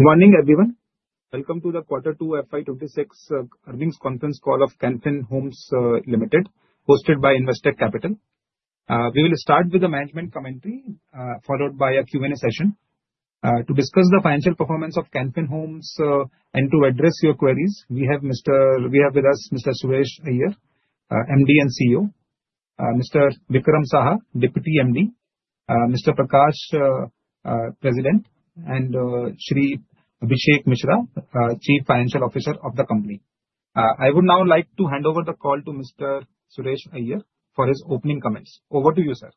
Good morning, everyone. Welcome to the Quarter 2 FY26 earnings conference call of Can Fin Homes Limited, hosted by Investec Capital. We will start with a management commentary, followed by a Q&A session to discuss the financial performance of Can Fin Homes, and to address your queries, we have with us Mr. Suresh Iyer, MD and CEO, Mr. Vikram Saha, Deputy MD, Mr. Prakash, President, and Shri Abhishek Mishra, Chief Financial Officer of the company. I would now like to hand over the call to Mr. Suresh Iyer for his opening comments. Over to you, sir.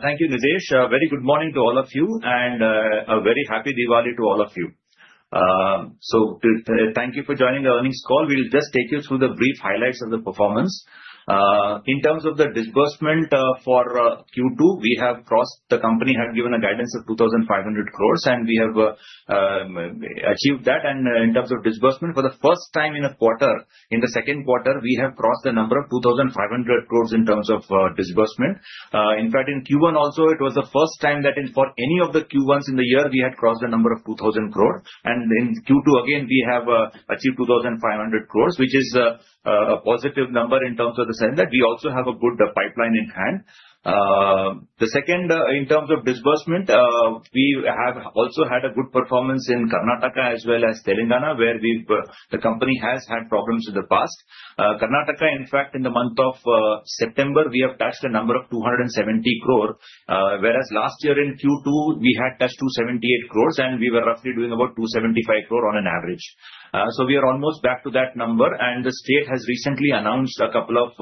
Thank you, Nidesh. Very good morning to all of you, and a very happy Diwali to all of you. So thank you for joining the earnings call. We will just take you through the brief highlights of the performance. In terms of the disbursement for Q2, we have crossed. The company had given a guidance of 2,500 crores, and we have achieved that. And in terms of disbursement, for the first time in a quarter, in the Q2, we have crossed the number of 2,500 crores in terms of disbursement. In fact, in Q1 also, it was the first time that in for any of the Q1s in the year, we had crossed the number of 2,000 crore. And in Q2, again, we have achieved 2,500 crores, which is a positive number in terms of the sense that we also have a good pipeline in hand. The second, in terms of disbursement, we have also had a good performance in Karnataka as well as Telangana, where the company has had problems in the past. Karnataka, in fact, in the month of September, we have touched a number of 270 crore, whereas last year in Q2, we had touched 278 crores, and we were roughly doing about 275 crore on an average. So we are almost back to that number, and the state has recently announced a couple of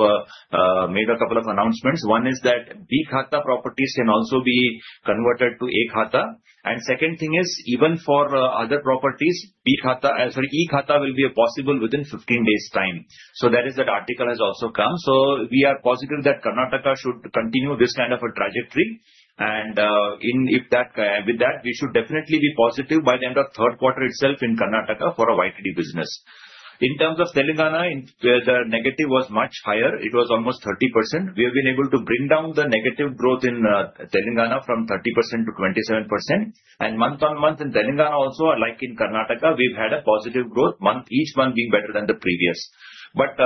announcements. One is that B Khata properties can also be converted to A Khata. And second thing is, even for other properties, B Khata sorry, E Khata will be possible within 15 days' time. So that article has also come. So we are positive that Karnataka should continue this kind of a trajectory. And with that, we should definitely be positive by the end of Q3 itself in Karnataka for a YTD business. In terms of Telangana, the negative was much higher. It was almost 30%. We have been able to bring down the negative growth in Telangana from 30% to 27%. And month on month in Telangana also, like in Karnataka, we've had a positive growth, each month being better than the previous. But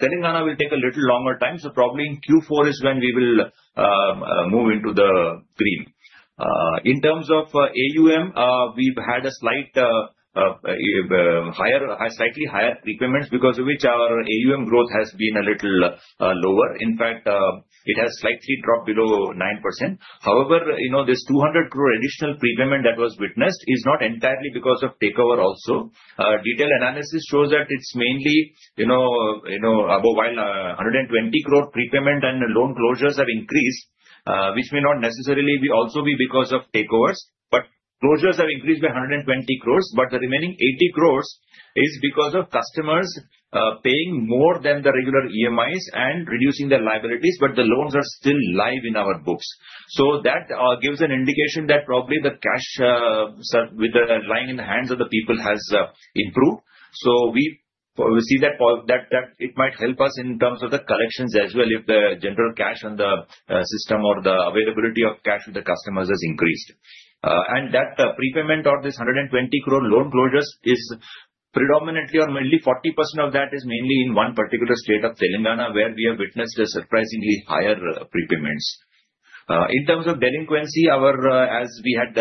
Telangana will take a little longer time. So probably in Q4 is when we will move into the green. In terms of AUM, we've had a slight higher, slightly higher prepayments because of which our AUM growth has been a little lower. In fact, it has slightly dropped below 9%. However, you know this 200 crore additional prepayment that was witnessed is not entirely because of takeover also. Detailed analysis shows that it's mainly, you know, about 120 crore prepayment and loan closures have increased, which may not necessarily also be because of takeovers, but closures have increased by 120 crores. But the remaining 80 crores is because of customers paying more than the regular EMIs and reducing their liabilities, but the loans are still live in our books. So that gives an indication that probably the cash that's lying in the hands of the people has improved. So we see that it might help us in terms of the collections as well if the general cash in the system or the availability of cash with the customers has increased. And that prepayment or this 120 crore loan closures is predominantly or mainly 40% of that is mainly in one particular state of Telangana where we have witnessed surprisingly higher prepayments. In terms of delinquency, as we had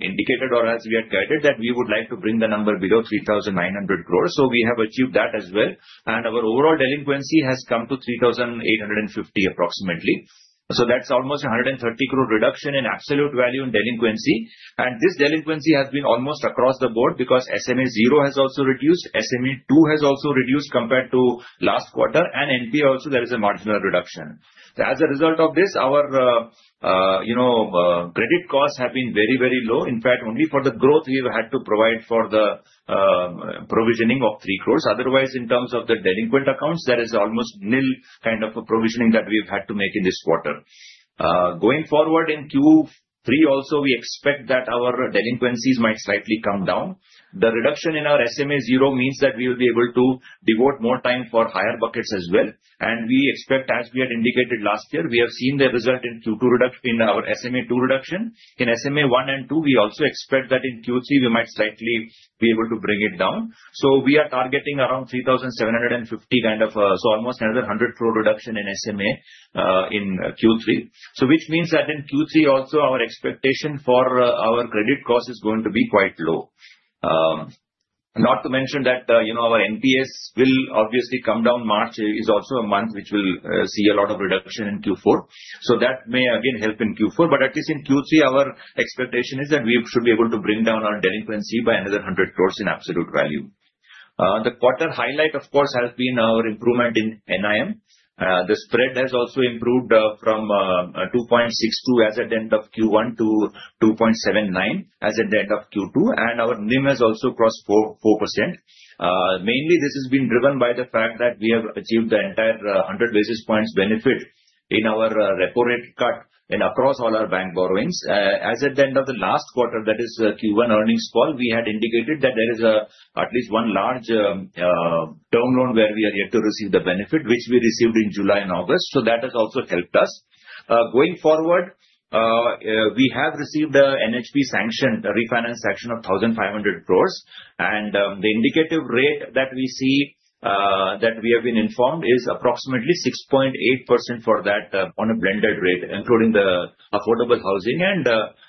indicated or as we had guided that we would like to bring the number below 3,900 crores. So we have achieved that as well. And our overall delinquency has come to 3,850 approximately. So that's almost 130 crore reduction in absolute value in delinquency. And this delinquency has been almost across the board because SMA 0 has also reduced, SMA 2 has also reduced compared to last quarter, and NPA also there is a marginal reduction. As a result of this, our credit costs have been very, very low. In fact, only for the growth we have had to provide for the provisioning of 3 crores. Otherwise, in terms of the delinquent accounts, there is almost nil kind of provisioning that we have had to make in this quarter. Going forward in Q3 also, we expect that our delinquencies might slightly come down. The reduction in our SMA 0 means that we will be able to devote more time for higher buckets as well, and we expect, as we had indicated last year, we have seen the result in Q2 reduction in our SMA 2 reduction. In SMA 1 and 2, we also expect that in Q3 we might slightly be able to bring it down, so we are targeting around 3,750 kind of so almost another 100 crore reduction in SMA in Q3, which means that in Q3 also our expectation for our credit cost is going to be quite low. Not to mention that our NPAs will obviously come down. March is also a month which will see a lot of reduction in Q4, so that may again help in Q4. But at least in Q3, our expectation is that we should be able to bring down our delinquency by another 100 crores in absolute value. The quarter highlight, of course, has been our improvement in NIM. The spread has also improved from 2.62% as at the end of Q1 to 2.79% as at the end of Q2. And our NIM has also crossed 4%. Mainly, this has been driven by the fact that we have achieved the entire 100 basis points benefit in our repo rate cut and across all our bank borrowings. As at the end of the last quarter, that is Q1 earnings call, we had indicated that there is at least one large term loan where we are yet to receive the benefit, which we received in July and August. So that has also helped us. Going forward, we have received an NHB sanction, refinance sanction of 1,500 crores, and the indicative rate that we see that we have been informed is approximately 6.8% for that on a blended rate, including the affordable housing and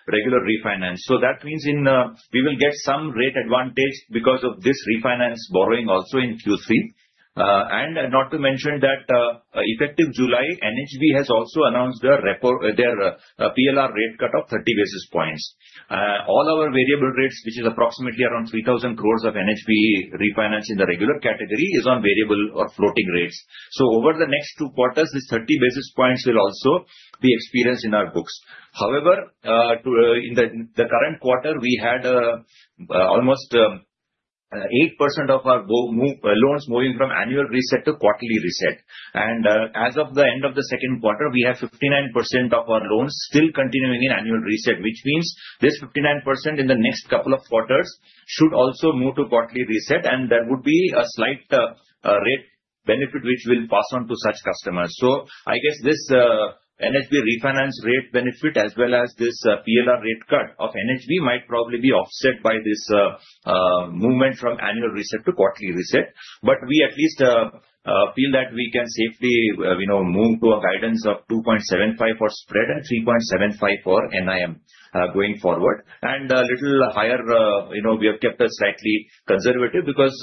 regular refinance, so that means we will get some rate advantage because of this refinance borrowing also in Q3, and not to mention that effective July, NHB has also announced their PLR rate cut of 30 basis points. All our variable rates, which is approximately around 3,000 crores of NHB refinance in the regular category, is on variable or floating rates, so over the next two quarters, this 30 basis points will also be experienced in our books. However, in the current quarter, we had almost 8% of our loans moving from annual reset to quarterly reset. And as of the end of the Q2, we have 59% of our loans still continuing in annual reset, which means this 59% in the next couple of quarters should also move to quarterly reset. And there would be a slight rate benefit which will pass on to such customers. So I guess this NHB refinance rate benefit as well as this PLR rate cut of NHB might probably be offset by this movement from annual reset to quarterly reset. But we at least feel that we can safely move to a guidance of 2.75 for spread and 3.75 for NIM going forward. And a little higher, we have kept a slightly conservative because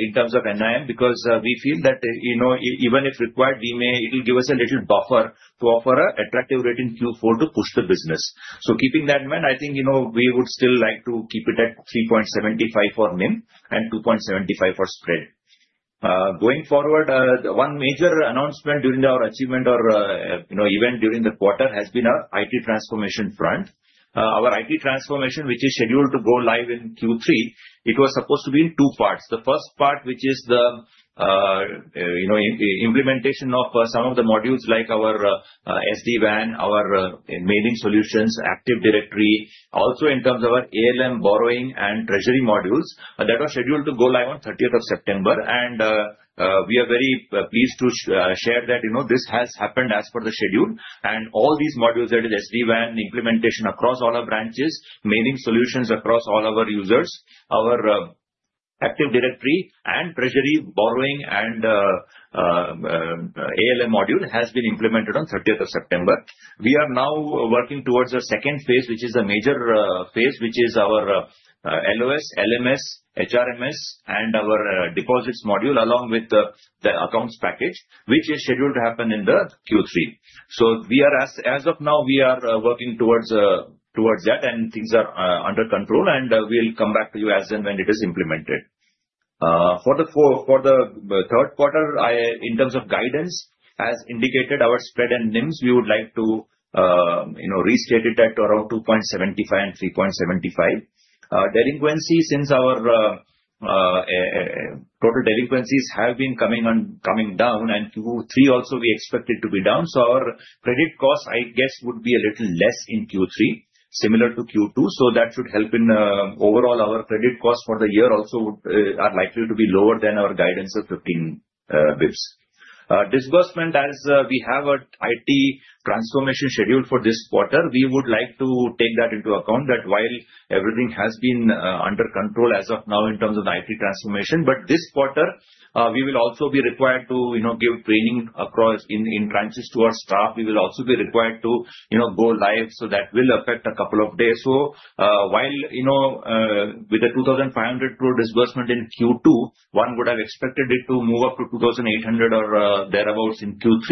in terms of NIM, because we feel that even if required, it will give us a little buffer to offer an attractive rate in Q4 to push the business. So, keeping that in mind, I think we would still like to keep it at 3.75 for NIM and 2.75 for spread. Going forward, one major announcement during our achievement or event during the quarter has been our IT transformation front. Our IT transformation, which is scheduled to go live in Q3. It was supposed to be in two parts. The first part, which is the implementation of some of the modules like our SD-WAN, our mailing solutions, Active Directory, also in terms of our ALM borrowing and treasury modules that are scheduled to go live on September 30th. And we are very pleased to share that this has happened as per the schedule. And all these modules that is SD-WAN implementation across all our branches, mailing solutions across all our users, our Active Directory and treasury borrowing and ALM module has been implemented on September 30th. We are now working towards the second phase, which is the major phase, which is our LOS, LMS, HRMS, and our deposits module along with the accounts package, which is scheduled to happen in the Q3. So as of now, we are working towards that, and things are under control, and we'll come back to you as and when it is implemented. For the Q3, in terms of guidance, as indicated, our spread and NIMs, we would like to restate it at around 2.75% and 3.75%. Delinquency, since our total delinquencies have been coming down, and Q3 also we expected to be down. So our credit cost, I guess, would be a little less in Q3, similar to Q2. So that should help in overall our credit cost for the year also are likely to be lower than our guidance of 15 basis points. Disbursement, as we have an IT transformation scheduled for this quarter, we would like to take that into account that while everything has been under control as of now in terms of the IT transformation, but this quarter, we will also be required to give training across in transit to our staff. We will also be required to go live, so that will affect a couple of days. So while with the 2,500 crore disbursement in Q2, one would have expected it to move up to 2,800 crore or thereabouts in Q3,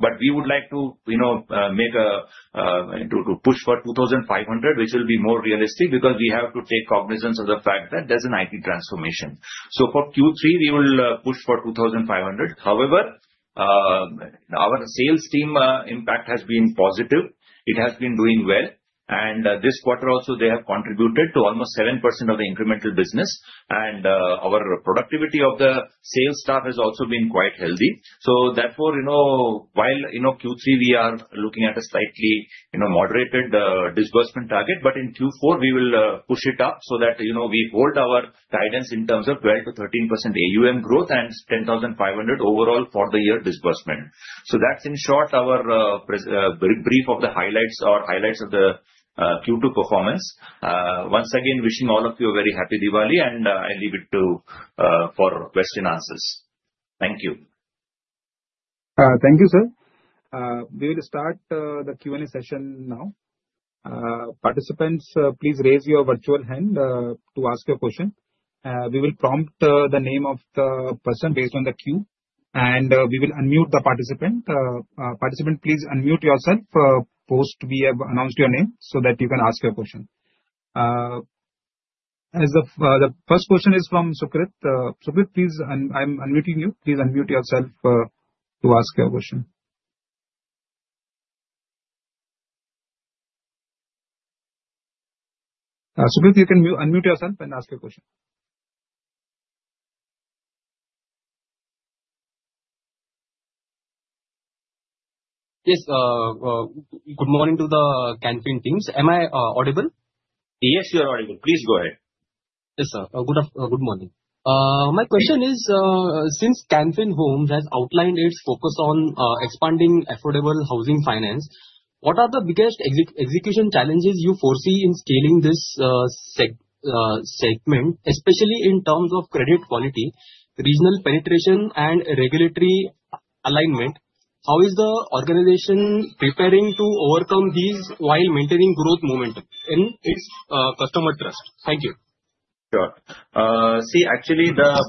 but we would like to make a push for 2,500 crore, which will be more realistic because we have to take cognizance of the fact that there's an IT transformation. So for Q3, we will push for 2,500 crore. However, our sales team impact has been positive. It has been doing well, and this quarter also, they have contributed to almost 7% of the incremental business, and our productivity of the sales staff has also been quite healthy. So therefore, while Q3, we are looking at a slightly moderated disbursement target, but in Q4, we will push it up so that we hold our guidance in terms of 12% to 13% AUM growth and 10,500 crore overall for the year disbursement. So that's in short our brief of the highlights or highlights of the Q2 performance. Once again, wishing all of you a very happy Diwali, and I leave it for question answers. Thank you. Thank you, sir. We will start the Q&A session now. Participants, please raise your virtual hand to ask your question. We will prompt the name of the person based on the queue, and we will unmute the participant. Participant, please unmute yourself post we have announced your name so that you can ask your question. As the first question is from Sucrit, Sucrit, please. I'm unmuting you. Please unmute yourself to ask your question. Sucrit, you can unmute yourself and ask your question. Yes. Good morning to the Can Fin teams. Am I audible? Yes, you're audible. Please go ahead. Yes, sir. Good morning. My question is, since Can Fin Homes has outlined its focus on expanding affordable housing finance, what are the biggest execution challenges you foresee in scaling this segment, especially in terms of credit quality, regional penetration, and regulatory alignment? How is the organization preparing to overcome these while maintaining growth momentum in its customer trust? Thank you. Sure. See, actually, the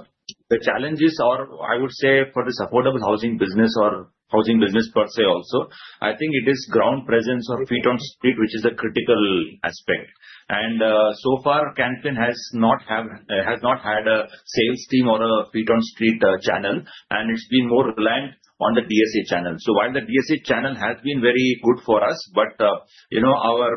challenges, or I would say for this affordable housing business or housing business per se also, I think it is ground presence or feet on street, which is a critical aspect, and so far, Can Fin has not had a sales team or a feet on street channel, and it's been more reliant on the DSA channel. So while the DSA channel has been very good for us, but our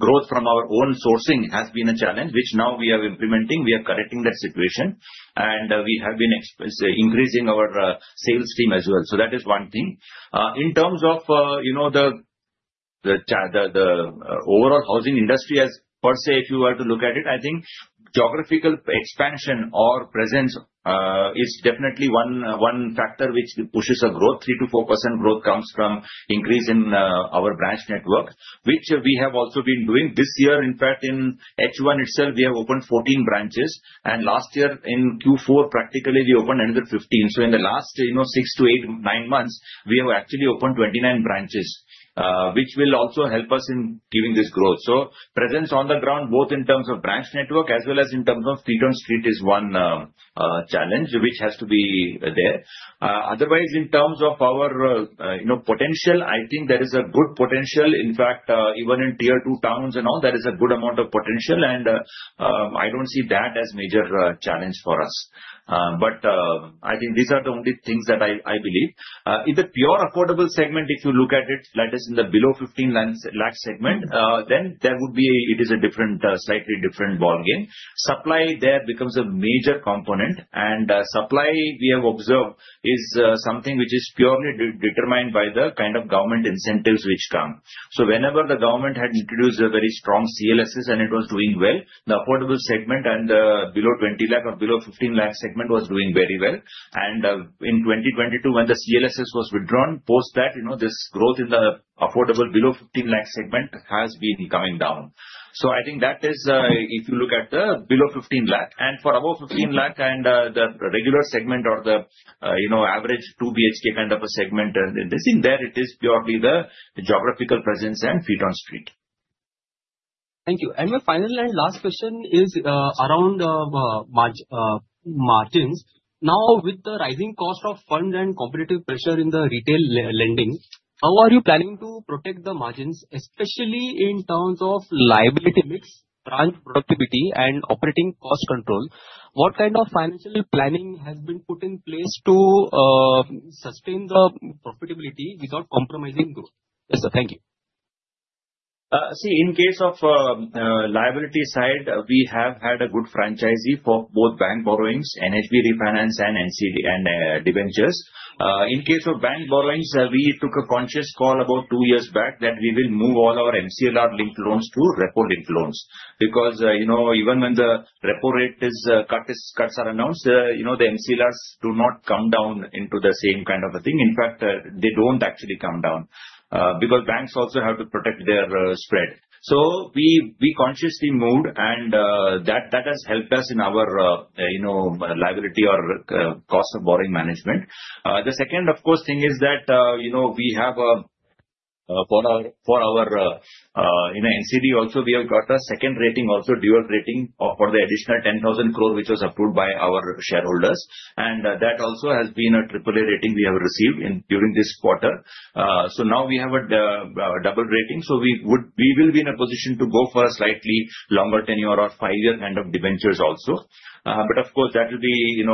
growth from our own sourcing has been a challenge, which now we are implementing. We are correcting that situation, and we have been increasing our sales team as well. So that is one thing. In terms of the overall housing industry per se, if you were to look at it, I think geographical expansion or presence is definitely one factor which pushes a growth. 3% to 4% growth comes from increase in our branch network, which we have also been doing this year. In fact, in H1 itself, we have opened 14 branches, and last year in Q4, practically, we opened another 15. So in the last 6 to 8, 9 months, we have actually opened 29 branches, which will also help us in giving this growth. So presence on the ground, both in terms of branch network as well as in terms of feet on street is one challenge which has to be there. Otherwise, in terms of our potential, I think there is a good potential. In fact, even in tier two towns and all, there is a good amount of potential, and I don't see that as a major challenge for us. But I think these are the only things that I believe. In the pure affordable segment, if you look at it, that is in the below 15 lakh segment, then there would be a slightly different ballgame. Supply there becomes a major component, and supply we have observed is something which is purely determined by the kind of government incentives which come. So whenever the government had introduced a very strong CLSS and it was doing well, the affordable segment and the below 20 lakh or below 15 lakh segment was doing very well. In 2022, when the CLSS was withdrawn, post that, this growth in the affordable below 15 lakh segment has been coming down. So I think that is, if you look at the below 15 lakh and for above 15 lakh and the regular segment or the average 2BHK kind of a segment, and in this, in there, it is purely the geographical presence and feet on street. Thank you. My final and last question is around margins. Now, with the rising cost of funds and competitive pressure in the retail lending, how are you planning to protect the margins, especially in terms of liability mix, branch productivity, and operating cost control? What kind of financial planning has been put in place to sustain the profitability without compromising growth? Yes, sir. Thank you. See, in case of liability side, we have had a good franchise for both bank borrowings, NHB refinance, and NCD and dividends. In case of bank borrowings, we took a conscious call about two years back that we will move all our MCLR linked loans to repo linked loans. Because even when the repo rate cuts are announced, the MCLRs do not come down into the same kind of a thing. In fact, they don't actually come down because banks also have to protect their spread. So we consciously moved, and that has helped us in our liability or cost of borrowing management. The second, of course, thing is that we have for our NCD also, we have got a second rating, also dual rating for the additional 10,000 crore, which was approved by our shareholders, and that also has been a AAA rating we have received during this quarter. So now we have a double rating. So we will be in a position to go for a slightly longer 10-year or five-year kind of dividend also, but of course, that will be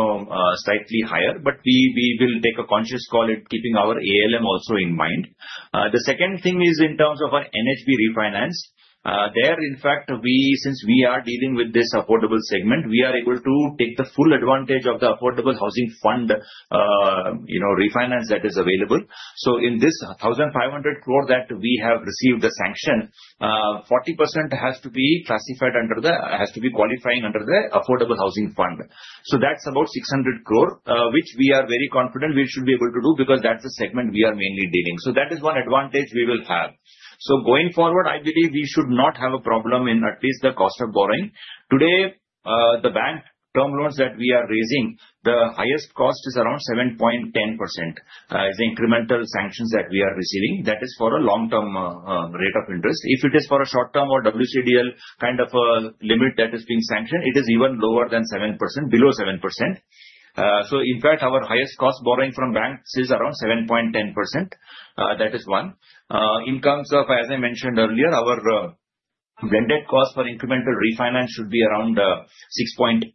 slightly higher. But we will take a conscious call in keeping our ALM also in mind. The second thing is in terms of our NHB refinance. There, in fact, since we are dealing with this affordable segment, we are able to take the full advantage of the affordable housing fund refinance that is available. So in this 1,500 crore that we have received the sanction, 40% has to be classified under the, has to be qualifying under the affordable housing fund. So that's about 600 crore, which we are very confident we should be able to do because that's the segment we are mainly dealing. So that is one advantage we will have. So going forward, I believe we should not have a problem in at least the cost of borrowing. Today, the bank term loans that we are raising, the highest cost is around 7.10% is the incremental sanctions that we are receiving. That is for a long-term rate of interest. If it is for a short-term or WCDL kind of a limit that is being sanctioned, it is even lower than 7%, below 7%. So in fact, our highest cost borrowing from banks is around 7.10%. That is one. In terms of, as I mentioned earlier, our blended cost for incremental refinance should be around 6.8%.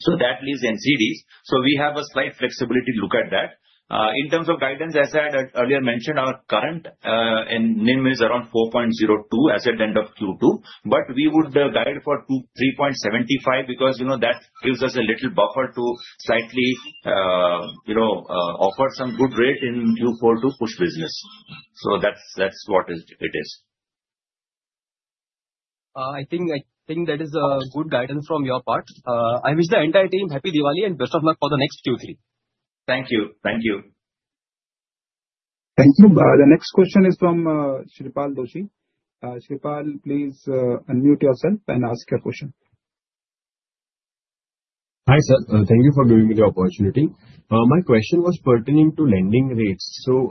So that leaves NCDs. So we have a slight flexibility to look at that. In terms of guidance, as I had earlier mentioned, our current NIM is around 4.02 as at the end of Q2, but we would guide for 3.75 because that gives us a little buffer to slightly offer some good rate in Q4 to push business. So that's what it is. I think that is a good guidance from your part. I wish the entire team Happy Diwali and best of luck for the next Q3. Thank you. Thank you. Thank you. The next question is from Shreepal Doshi. Shreepal, please unmute yourself and ask your question. Hi sir, thank you for giving me the opportunity. My question was pertaining to lending rates. So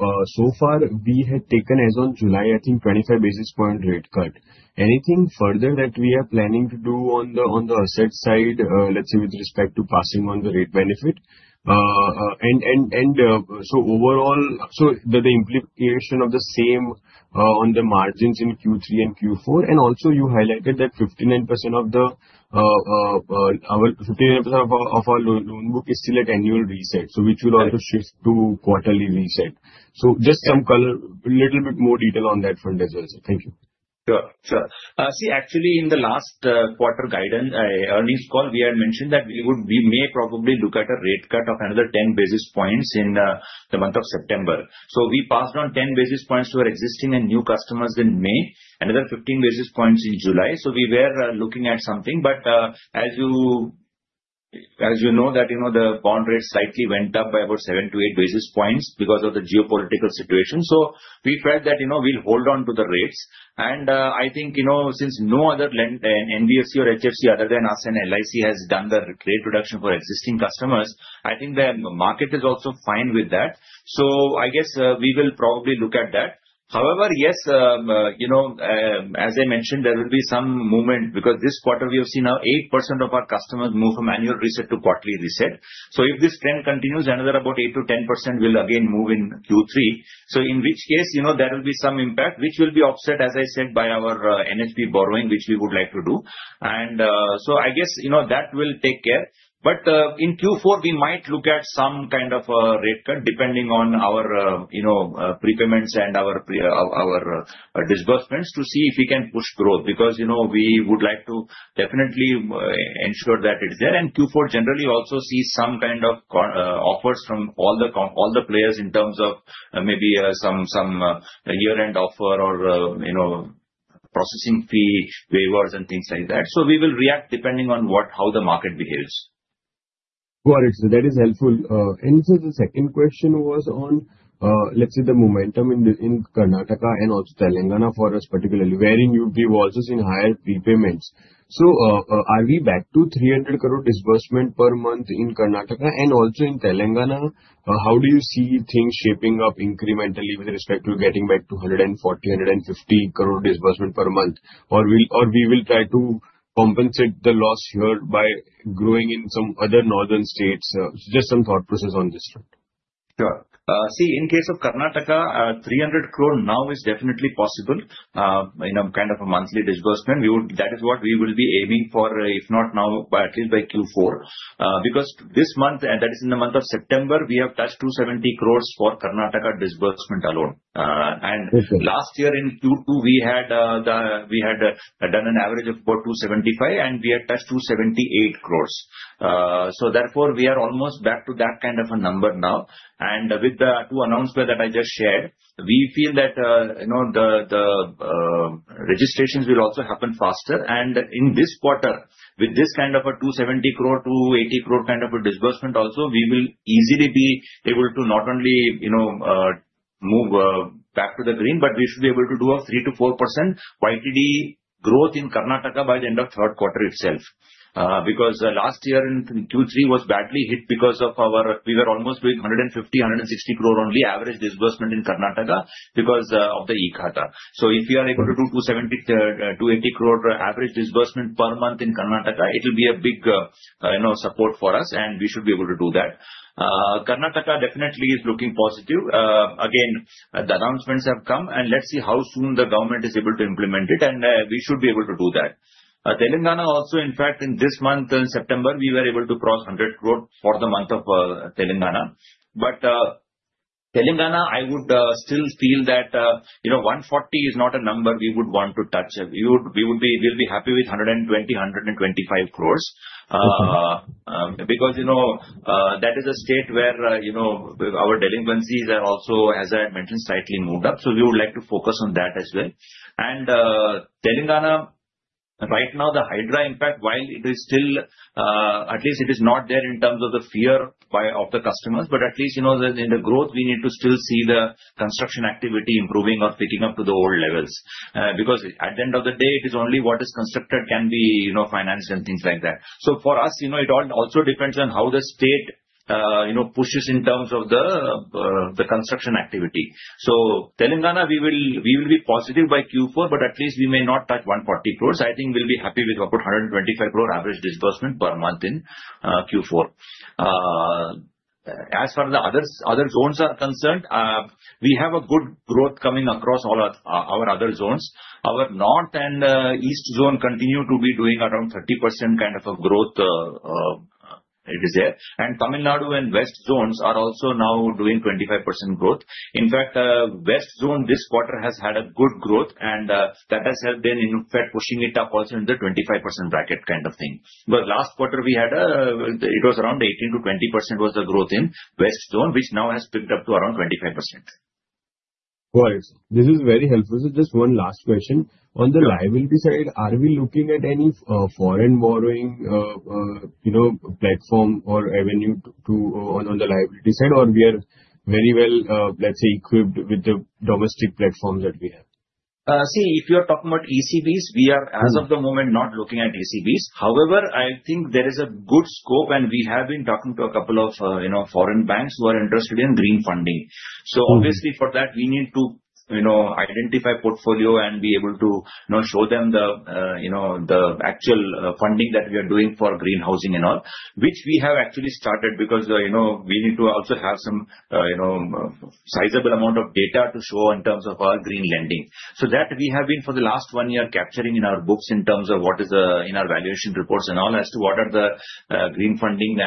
far, we had taken as of July, I think 25 basis point rate cut. Anything further that we are planning to do on the asset side, let's say with respect to passing on the rate benefit? And so overall, so the implication of the same on the margins in Q3 and Q4, and also you highlighted that 59% of our loan book is still at annual reset, so which will also shift to quarterly reset. So just some color, a little bit more detail on that fund as well. Thank you. Sure. Sure. See, actually, in the last quarter guidance earnings call, we had mentioned that we may probably look at a rate cut of another 10 basis points in the month of September. So we passed on 10 basis points to our existing and new customers in May, another 15 basis points in July. So we were looking at something, but as you know, the bond rate slightly went up by about 7-8 basis points because of the geopolitical situation. So we felt that we'll hold on to the rates. And I think since no other NBFC or HFC other than us and LIC has done the rate reduction for existing customers, I think the market is also fine with that. So I guess we will probably look at that. However, yes, as I mentioned, there will be some movement because this quarter we have seen now 8% of our customers move from annual reset to quarterly reset. So if this trend continues, another about 8% to 10% will again move in Q3. So in which case there will be some impact, which will be offset, as I said, by our NHB borrowing, which we would like to do. And so I guess that will take care. But in Q4, we might look at some kind of a rate cut depending on our prepayments and our disbursements to see if we can push growth because we would like to definitely ensure that it's there. And Q4 generally also sees some kind of offers from all the players in terms of maybe some year-end offer or processing fee waivers and things like that. So we will react depending on how the market behaves. Got it. So that is helpful. And this is the second question was on, let's say, the momentum in Karnataka and also Telangana for us particularly, wherein we were also seeing higher prepayments. So are we back to 300 crore disbursement per month in Karnataka and also in Telangana? How do you see things shaping up incrementally with respect to getting back to 140- 150 crore disbursement per month? Or we will try to compensate the loss here by growing in some other northern states? Just some thought process on this front. Sure. See, in case of Karnataka, 300 crore now is definitely possible in a kind of a monthly disbursement. That is what we will be aiming for, if not now, at least by Q4. Because this month, and that is in the month of September, we have touched 270 crores for Karnataka disbursement alone. And last year in Q2, we had done an average of about 275 crore, and we had touched 278 crores. So therefore, we are almost back to that kind of a number now. And with the two announcements that I just shared, we feel that the registrations will also happen faster. And in this quarter, with this kind of a 270-80 crore kind of a disbursement also, we will easily be able to not only move back to the green, but we should be able to do a 3% to 4% YTD growth in Karnataka by the end of Q3 itself. Because last year in Q3 was badly hit because we were almost with 150-160 crore only average disbursement in Karnataka because of the E Khata. So if we are able to do 270-280 crore average disbursement per month in Karnataka, it will be a big support for us, and we should be able to do that. Karnataka definitely is looking positive. Again, the announcements have come, and let's see how soon the government is able to implement it, and we should be able to do that. Telangana also, in fact, in this month in September, we were able to cross 100 crores for the month of Telangana, but Telangana, I would still feel that 140 crore is not a number we would want to touch. We will be happy with 120-125 crores because that is a state where our delinquencies are also, as I had mentioned, slightly moved up, so we would like to focus on that as well, and Telangana, right now, the HYDRA impact, while it is still, at least it is not there in terms of the fear of the customers, but at least in the growth, we need to still see the construction activity improving or picking up to the old levels, because at the end of the day, it is only what is constructed can be financed and things like that. So for us, it also depends on how the state pushes in terms of the construction activity. So Telangana, we will be positive by Q4, but at least we may not touch 140 crores. I think we'll be happy with about 125 crore average disbursement per month in Q4. As for the other zones are concerned, we have a good growth coming across all our other zones. Our North and East Zone continue to be doing around 30% kind of a growth it is there. And Tamil Nadu and West Zones are also now doing 25% growth. In fact, West Zone this quarter has had a good growth, and that has helped in fact pushing it up also in the 25% bracket kind of thing. Because last quarter we had, it was around 18%-20% was the growth in West Zone, which now has picked up to around 25%. Got it. This is very helpful. So just one last question. On the liability side, are we looking at any foreign borrowing platform or avenue on the liability side, or we are very well, let's say, equipped with the domestic platforms that we have? See, if you're talking about ECBs, we are, as of the moment, not looking at ECBs. However, I think there is a good scope, and we have been talking to a couple of foreign banks who are interested in green funding. So obviously, for that, we need to identify portfolio and be able to show them the actual funding that we are doing for green housing and all, which we have actually started because we need to also have some sizable amount of data to show in terms of our green lending. So that we have been, for the last one year, capturing in our books in terms of what is in our valuation reports and all as to what are the green funding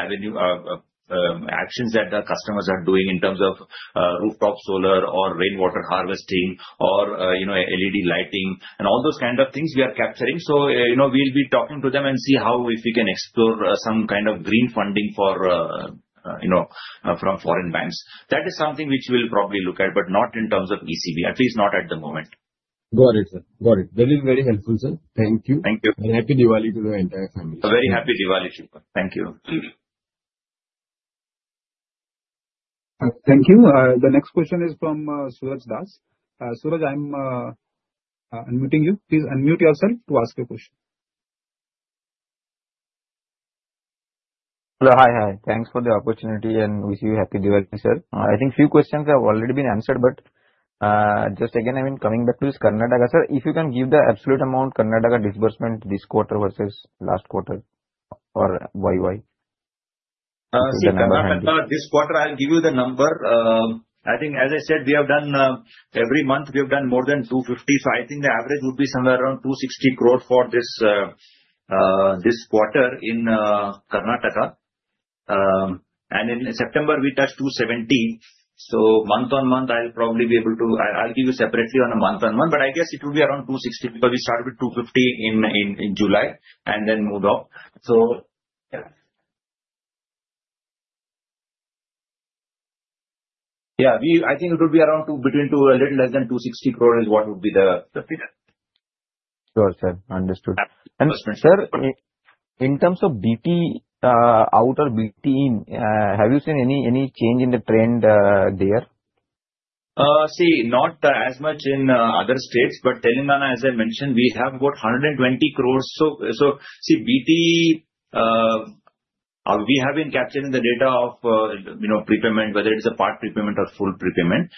actions that the customers are doing in terms of rooftop solar or rainwater harvesting or LED lighting and all those kind of things we are capturing. So we'll be talking to them and see how, if we can explore some kind of green funding from foreign banks. That is something which we'll probably look at, but not in terms of ECB, at least not at the moment. Got it, sir. Got it. That is very helpful, sir. Thank you. Thank you. Happy Diwali to the entire family. Very happy Diwali, Shreepal. Thank you. Thank you. The next question is from Suraj Das. Suraj, I'm unmuting you. Please unmute yourself to ask your question. Hello. Hi. Hi. Thanks for the opportunity, and wish you a happy Diwali, sir. I think a few questions have already been answered, but just again, I mean, coming back to this Karnataka, sir, if you can give the absolute amount Karnataka disbursement this quarter versus last quarter or Y-o-Y. See, Karnataka this quarter, I'll give you the number. I think, as I said, we have done every month, we have done more than 250 crore. So I think the average would be somewhere around 260 crore for this quarter in Karnataka. And in September, we touched 270 crore. So, month on month, I'll probably be able to. I'll give you separately on a month on month, but I guess it would be around 260 because we started with 250 in July and then moved up. So yeah, I think it would be around between a little less than 260 crore is what would be the figure. Sure, sir. Understood. And sir, in terms of BT, outer BT in, have you seen any change in the trend there? See, not as much in other states, but Telangana, as I mentioned, we have got 120 crore. So see, BT, we have been capturing the data of prepayment, whether it's a part prepayment or full prepayment.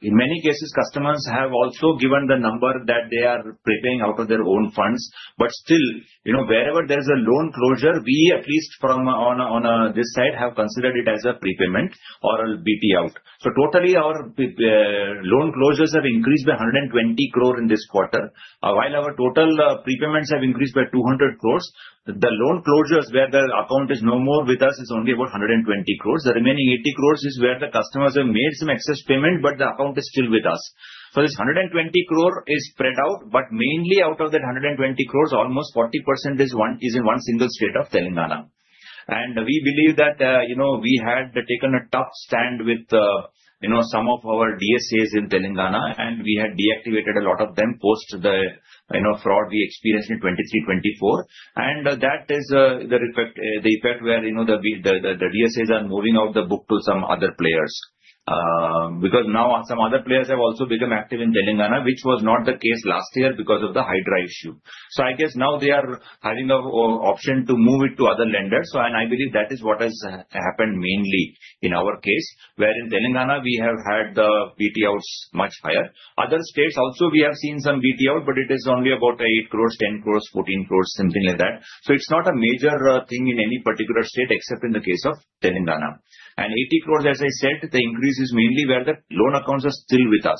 In many cases, customers have also given the number that they are prepaying out of their own funds. But still, wherever there is a loan closure, we at least from this side have considered it as a prepayment or a BT out. So totally, our loan closures have increased by 120 crore in this quarter, while our total prepayments have increased by 200 crores. The loan closures where the account is no more with us is only about 120 crores. The remaining 80 crores is where the customers have made some excess payment, but the account is still with us. So this 120 crore is spread out, but mainly out of that 120 crores, almost 40% is in one single state of Telangana. And we believe that we had taken a tough stand with some of our DSAs in Telangana, and we had deactivated a lot of them post the fraud we experienced in 2023-24. And that is the effect where the DSAs are moving out the book to some other players because now some other players have also become active in Telangana, which was not the case last year because of the HYDRA issue. So I guess now they are having an option to move it to other lenders. And I believe that is what has happened mainly in our case, where in Telangana, we have had the BT outs much higher. Other states also, we have seen some BT out, but it is only about eight crores, 10 crores, 14 crores, something like that. So it's not a major thing in any particular state except in the case of Telangana. And 80 crores, as I said, the increase is mainly where the loan accounts are still with us.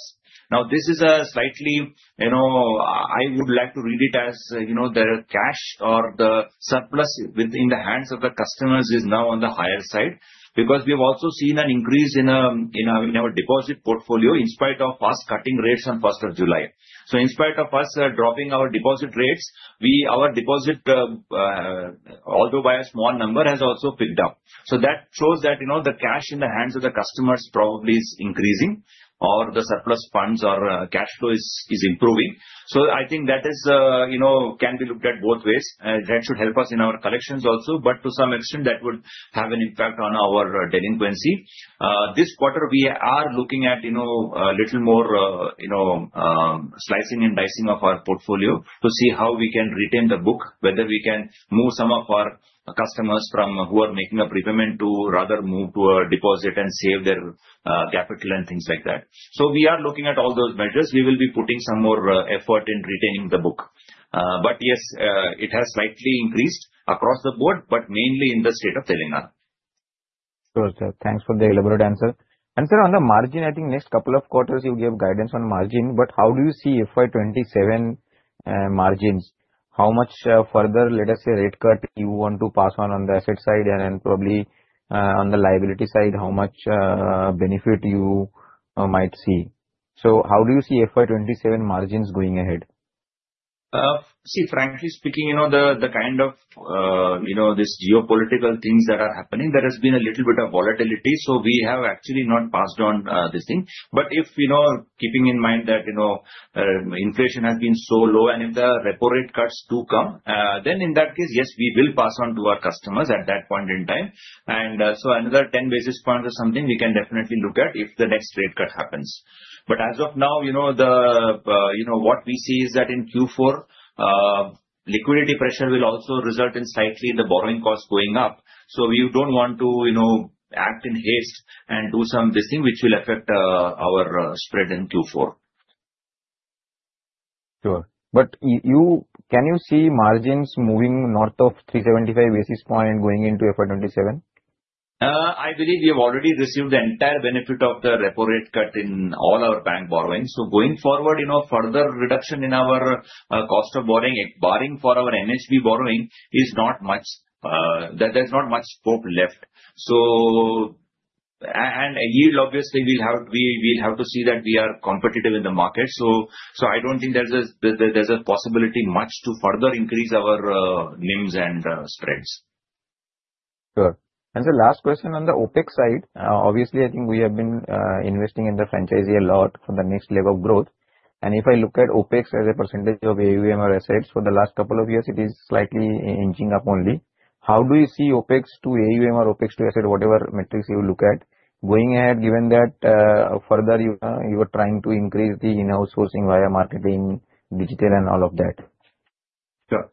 Now, this is a slightly, I would like to read it as the cash or the surplus in the hands of the customers is now on the higher side because we have also seen an increase in our deposit portfolio in spite of us cutting rates on July 1st. So in spite of us dropping our deposit rates, our deposit, although by a small number, has also picked up. So that shows that the cash in the hands of the customers probably is increasing or the surplus funds or cash flow is improving. So I think that can be looked at both ways. That should help us in our collections also, but to some extent, that would have an impact on our delinquency. This quarter, we are looking at a little more slicing and dicing of our portfolio to see how we can retain the book, whether we can move some of our customers who are making a prepayment to rather move to a deposit and save their capital and things like that. So we are looking at all those measures. We will be putting some more effort in retaining the book. But yes, it has slightly increased across the board, but mainly in the state of Telangana. Sure, sir. Thanks for the elaborate answer. And sir, on the margin, I think next couple of quarters, you gave guidance on margin, but how do you see FY27 margins? How much further, let us say, rate cut you want to pass on on the asset side and probably on the liability side, how much benefit you might see? So how do you see FY27 margins going ahead? See, frankly speaking, the kind of this geopolitical things that are happening, there has been a little bit of volatility. So we have actually not passed on this thing. But if keeping in mind that inflation has been so low, and if the repo rate cuts do come, then in that case, yes, we will pass on to our customers at that point in time. And so another 10 basis points or something, we can definitely look at if the next rate cut happens. But as of now, what we see is that in Q4, liquidity pressure will also result in slightly the borrowing cost going up. So we don't want to act in haste and do some this thing which will affect our spread in Q4. Sure. But can you see margins moving north of 375 basis points and going into FY27? I believe we have already received the entire benefit of the repo rate cut in all our bank borrowing. So going forward, further reduction in our cost of borrowing, barring for our NHB borrowing, is not much. There's not much scope left. And yield, obviously, we'll have to see that we are competitive in the market. So I don't think there's a possibility much to further increase our NIMs and spreads. Sure. And sir, last question on the OpEx side. Obviously, I think we have been investing in the franchisee a lot for the next leg of growth. And if I look at OpEx as a percentage of AUM or assets for the last couple of years, it is slightly inching up only. How do you see OpEx to AUM or OpEx to asset, whatever metrics you look at, going ahead, given that further you are trying to increase the in-house sourcing via marketing, digital, and all of that? Sure.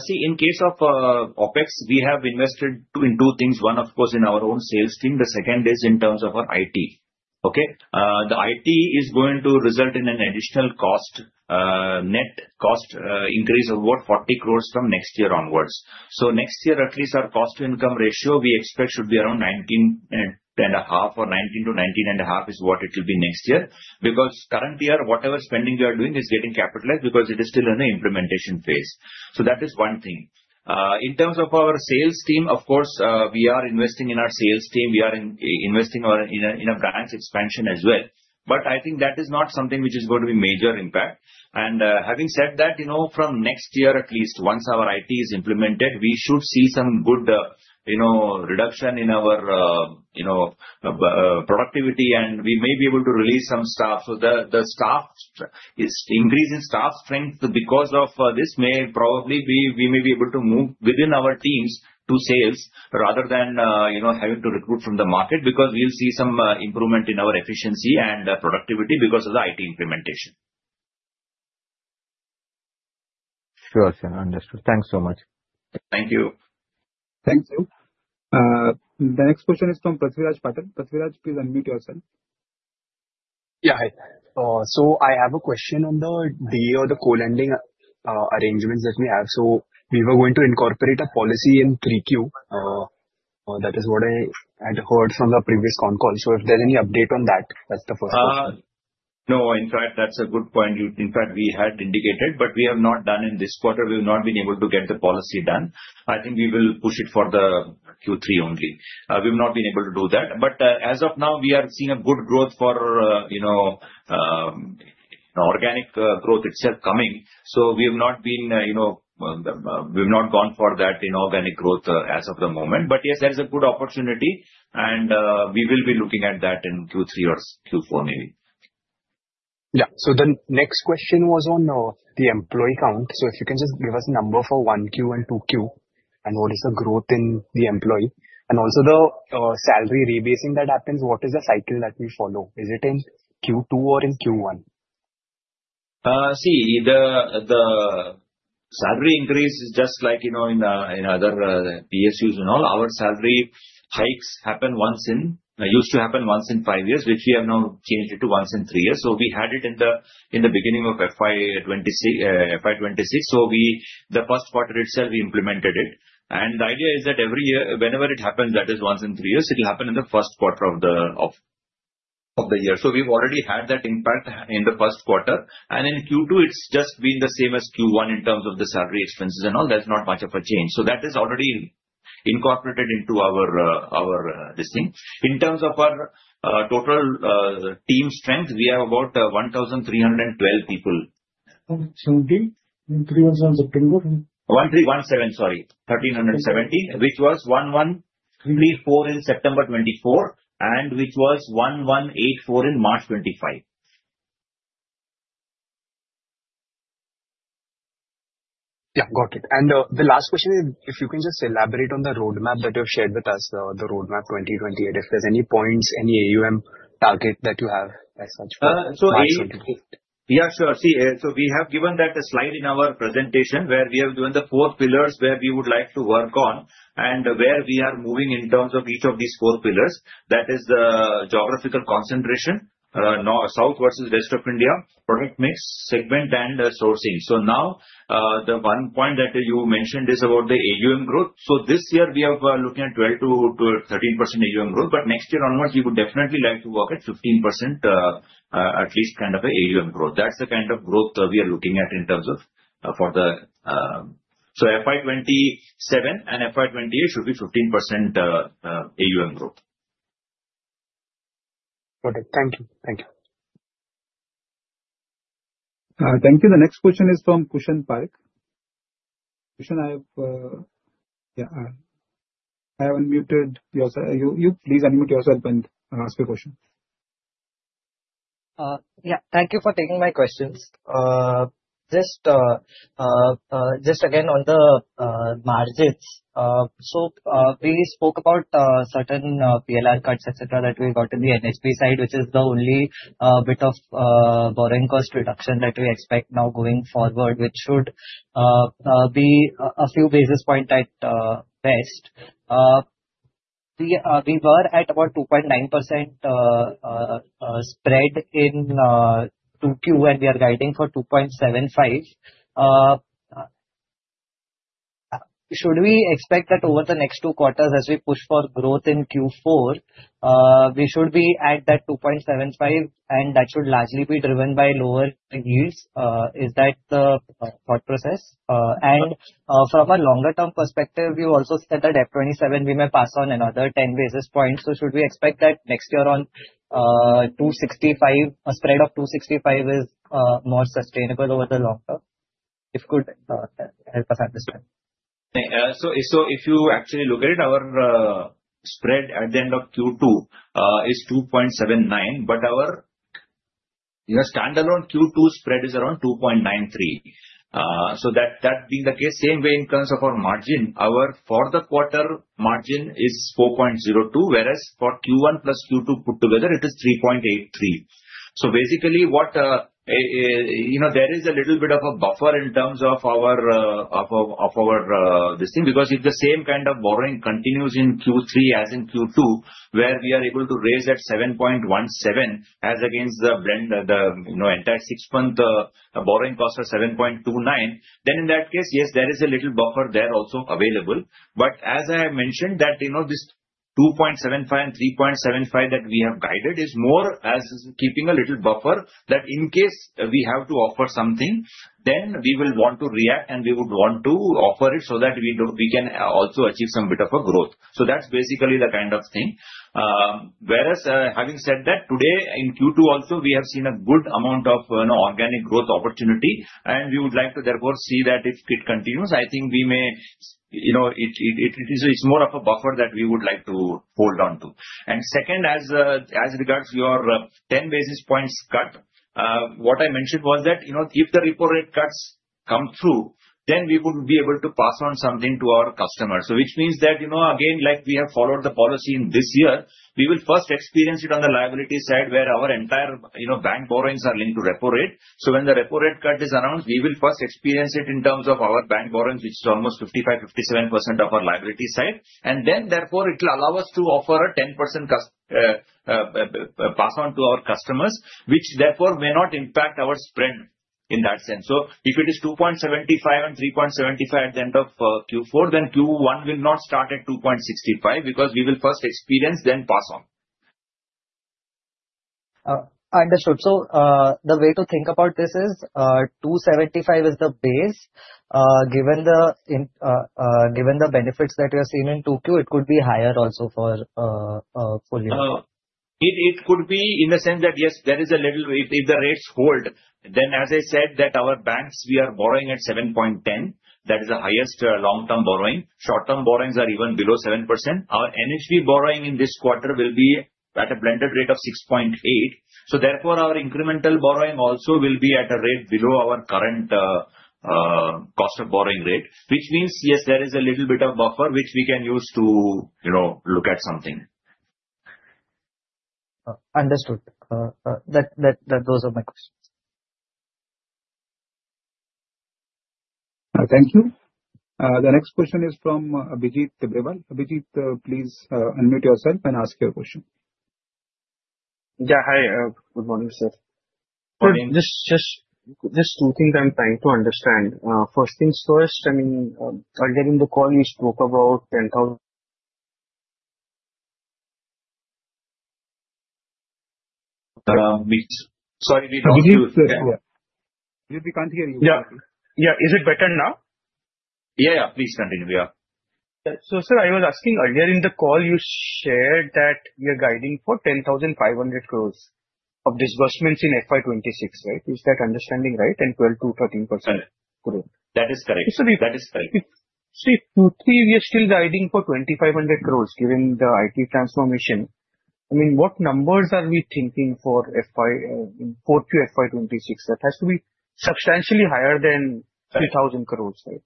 See, in case of OpEx, we have invested in two things. One, of course, in our own sales team. The second is in terms of our IT. Okay. The IT is going to result in an additional cost, net cost increase of about 40 crores from next year onwards. So next year, at least our cost-to-income ratio we expect should be around 19.5% or 19%-19.5% is what it will be next year. Because current year, whatever spending we are doing is getting capitalized because it is still in the implementation phase. So that is one thing. In terms of our sales team, of course, we are investing in our sales team. We are investing in a branch expansion as well. But I think that is not something which is going to be major impact. And having said that, from next year, at least once our IT is implemented, we should see some good reduction in our productivity, and we may be able to release some staff. So the staff is increasing staff strength because of this may probably be we may be able to move within our teams to sales rather than having to recruit from the market because we'll see some improvement in our efficiency and productivity because of the IT implementation. Sure, sir. Understood. Thanks so much. Thank you. Thank you. The next question is from Prithviraj Patil. Prithviraj, please unmute yourself. Yeah, hi. So I have a question on the DA or the co-lending arrangements that we have. So we were going to incorporate a policy in 3Q. That is what I had heard from the previous con call. So if there's any update on that, that's the first question. No, in fact, that's a good point. In fact, we had indicated, but we have not done in this quarter. We have not been able to get the policy done. I think we will push it for the Q3 only. We have not been able to do that. But as of now, we are seeing a good growth for organic growth itself coming. So we have not gone for that in organic growth as of the moment. But yes, there is a good opportunity, and we will be looking at that in Q3 or Q4, maybe. Yeah. So then next question was on the employee count. So if you can just give us a number for 1Q and 2Q and what is the growth in the employee and also the salary rebasing that happens, what is the cycle that we follow? Is it in Q2 or in Q1? See, the salary increase is just like in other PSUs and all. Our salary hikes happen once in used to happen once in five years, which we have now changed it to once in three years. So we had it in the beginning of FY26. So the Q1 itself, we implemented it. And the idea is that every year, whenever it happens, that is once in three years, it will happen in the Q1 of the year. So we've already had that impact in the Q1. And in Q2, it's just been the same as Q1 in terms of the salary expenses and all. There's not much of a change. So that is already incorporated into our this thing. In terms of our total team strength, we have about 1,312 people. 170? 1,312? 170, sorry. 1,370, which was 1,134 in September 2024 and which was 1,184 in March 2025. Yeah, got it. And the last question is, if you can just elaborate on the roadmap that you have shared with us, the roadmap 2028, if there's any points, any AUM target that you have as such for March 2028. Yeah, sure. See, so we have given that a slide in our presentation where we have given the four pillars where we would like to work on and where we are moving in terms of each of these four pillars. That is the geographical concentration, south versus west of India, product mix, segment, and sourcing. So now the one point that you mentioned is about the AUM growth. So this year, we are looking at 12%-13% AUM growth, but next year onwards, we would definitely like to work at 15% at least kind of AUM growth. That's the kind of growth we are looking at in terms of for the so FY27 and FY28 should be 15% AUM growth. Got it. Thank you. Thank you. Thank you. The next question is from Kushan Parikh. Kushan, I have unmuted you. You please unmute yourself and ask your question. Yeah, thank you for taking my questions. Just again on the margins, so we spoke about certain PLR cuts, etc., that we got in the NHB side, which is the only bit of borrowing cost reduction that we expect now going forward, which should be a few basis points at best. We were at about 2.9% spread in 2Q, and we are guiding for 2.75. Should we expect that over the next two quarters, as we push for growth in Q4, we should be at that 2.75, and that should largely be driven by lower yields? Is that the thought process? And from a longer-term perspective, we also said that F27, we may pass on another 10 basis points. So should we expect that next year on a spread of 265 is more sustainable over the long-term? If you could help us understand. So if you actually look at it, our spread at the end of Q2 is 2.79, but our standalone Q2 spread is around 2.93. So that being the case, same way in terms of our margin, our for the quarter margin is 4.02, whereas for Q1 plus Q2 put together, it is 3.83. So basically, there is a little bit of a buffer in terms of our this thing because if the same kind of borrowing continues in Q3 as in Q2, where we are able to raise at 7.17 as against the entire six-month borrowing cost of 7.29, then in that case, yes, there is a little buffer there also available. But as I have mentioned, this 2.75 and 3.75 that we have guided is more as keeping a little buffer that in case we have to offer something, then we will want to react, and we would want to offer it so that we can also achieve some bit of a growth. So that's basically the kind of thing. Whereas having said that, today in Q2 also, we have seen a good amount of organic growth opportunity, and we would like to therefore see that if it continues, I think we may it's more of a buffer that we would like to hold on to. And second, as regards to your 10 basis points cut, what I mentioned was that if the Repo Rate cuts come through, then we would be able to pass on something to our customers. So which means that, again, like we have followed the policy in this year, we will first experience it on the liability side where our entire bank borrowings are linked to Repo Rate. So when the Repo Rate cut is announced, we will first experience it in terms of our bank borrowings, which is almost 55%-57% of our liability side. And then therefore, it will allow us to offer a 10% pass-on to our customers, which therefore may not impact our spread in that sense. So if it is 2.75 and 3.75 at the end of Q4, then Q1 will not start at 2.65 because we will first experience, then pass on. Understood. So the way to think about this is 275 is the base. Given the benefits that we have seen in 2Q, it could be higher also for fully. It could be in the sense that yes, there is a little if the rates hold, then as I said, that our bonds we are borrowing at 7.10%. That is the highest long-term borrowing. Short-term borrowings are even below 7%. Our NHB borrowing in this quarter will be at a blended rate of 6.8%. So therefore, our incremental borrowing also will be at a rate below our current cost of borrowing rate, which means yes, there is a little bit of buffer which we can use to look at something. Understood. Those are my questions. Thank you. The next question is from Abhijit Tibrewal. Abhijit, please unmute yourself and ask your question. Yeah, hi. Good morning, sir. Just two things I'm trying to understand. First things first, I mean, earlier in the call, we spoke about 10,000. Sorry, we lost you. We can't hear you. Yeah. Is it better now? Yeah, yeah. Please continue. Yeah. So sir, I was asking earlier in the call, you shared that we are guiding for 10,500 crores of disbursements in FY26, right? Is that understanding right? And 12%-13%? That is correct. That is correct. See, Q3, we are still guiding for 2,500 crores given the IT transformation. I mean, what numbers are we thinking for Q2 to FY26? That has to be substantially higher than 2,000 crores, right?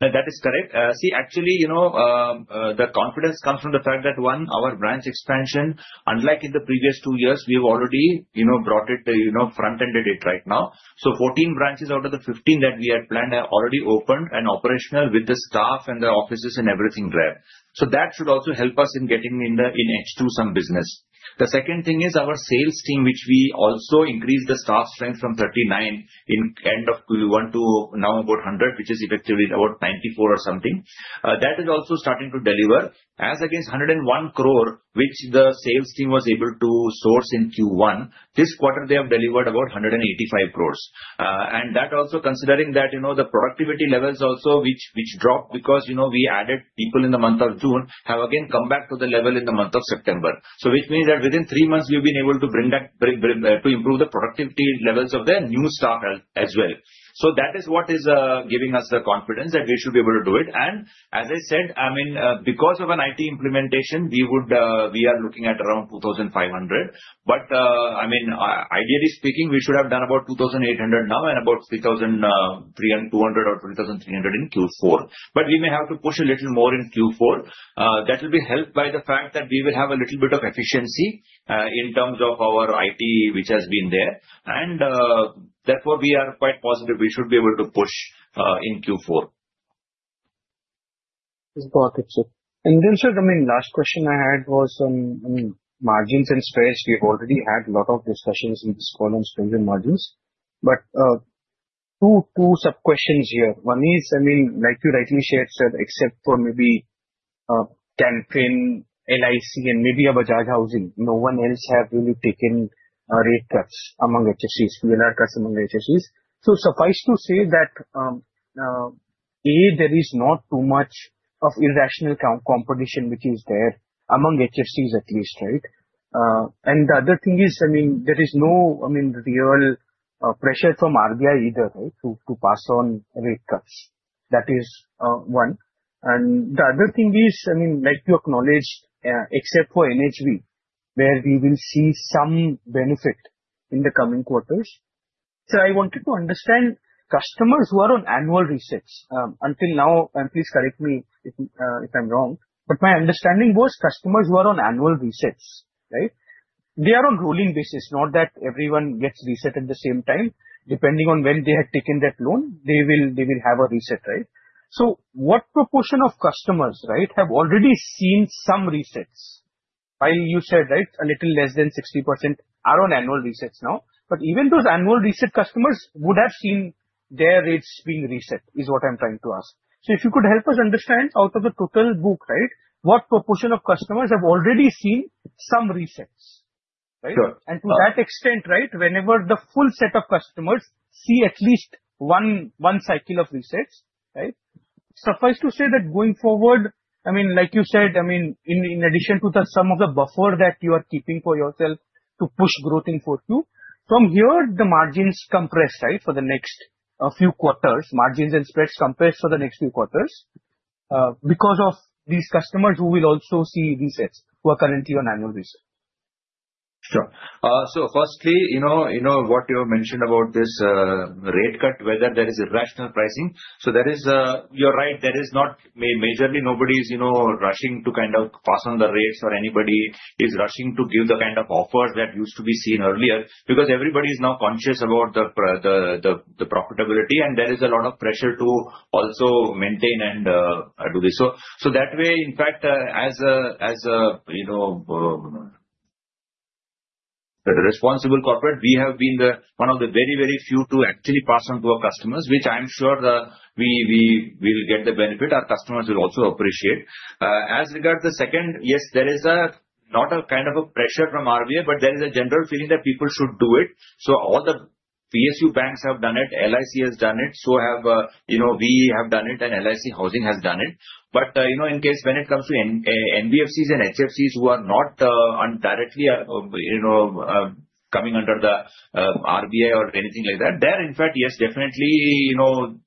That is correct. See, actually, the confidence comes from the fact that, one, our branch expansion, unlike in the previous two years, we have already brought it, front-ended it right now. So 14 branches out of the 15 that we had planned have already opened and operational with the staff and the offices and everything there. So that should also help us in getting in H2 some business. The second thing is our sales team, which we also increased the staff strength from 39 in end of Q1 to now about 100, which is effectively about 94 or something. That is also starting to deliver. As against 101 crore, which the sales team was able to source in Q1, this quarter, they have delivered about 185 crores, and that also considering that the productivity levels also which dropped because we added people in the month of June have again come back to the level in the month of September, so which means that within three months, we've been able to improve the productivity levels of the new staff as well, so that is what is giving us the confidence that we should be able to do it, and as I said, I mean, because of an IT implementation, we are looking at around 2,500 crore. But I mean, ideally speaking, we should have done about 2,800 crore now and about 3,200 crore or 3,300 crore in Q4. But we may have to push a little more in Q4. That will be helped by the fact that we will have a little bit of efficiency in terms of our IT, which has been there. And therefore, we are quite positive we should be able to push in Q4. It's got it, sir. And then, sir, I mean, last question I had was on margins and spreads. We've already had a lot of discussions in this call on spreads and margins. But two sub-questions here. One is, I mean, like you rightly shared, sir, except for maybe Can Fin, LIC, and maybe Bajaj Housing, no one else has really taken rate cuts among HFCs, PLR cuts among HFCs. So suffice to say that, A, there is not too much of irrational competition, which is there among HFCs at least, right? And the other thing is, I mean, there is no, I mean, real pressure from RBI either, right, to pass on rate cuts. That is one. And the other thing is, I mean, like you acknowledged, except for NHB, where we will see some benefit in the coming quarters. So I wanted to understand customers who are on annual resets. Until now, and please correct me if I'm wrong, but my understanding was customers who are on annual resets, right? They are on rolling basis, not that everyone gets reset at the same time. Depending on when they had taken that loan, they will have a reset, right? So what proportion of customers, right, have already seen some resets? While you said, right, a little less than 60% are on annual resets now, but even those annual reset customers would have seen their rates being reset is what I'm trying to ask. So if you could help us understand out of the total book, right, what proportion of customers have already seen some resets, right? And to that extent, right, whenever the full set of customers see at least one cycle of resets, right, suffice to say that going forward, I mean, like you said, I mean, in addition to the sum of the buffer that you are keeping for yourself to push growth in 4Q, from here, the margins compress, right, for the next few quarters. Margins and spreads compress for the next few quarters because of these customers who will also see resets who are currently on annual resets. Sure. So firstly, you know what you mentioned about this rate cut, whether there is irrational pricing. So you're right. There is not majorly nobody is rushing to kind of pass on the rates or anybody is rushing to give the kind of offers that used to be seen earlier because everybody is now conscious about the profitability, and there is a lot of pressure to also maintain and do this. So that way, in fact, as a responsible corporate, we have been one of the very, very few to actually pass on to our customers, which I'm sure we will get the benefit. Our customers will also appreciate. As regards the second, yes, there is not a kind of a pressure from RBI, but there is a general feeling that people should do it. So all the PSU banks have done it. LIC has done it. So have we done it, and LIC Housing has done it. But in case when it comes to NBFCs and HFCs who are not directly coming under the RBI or anything like that, in fact, yes, definitely,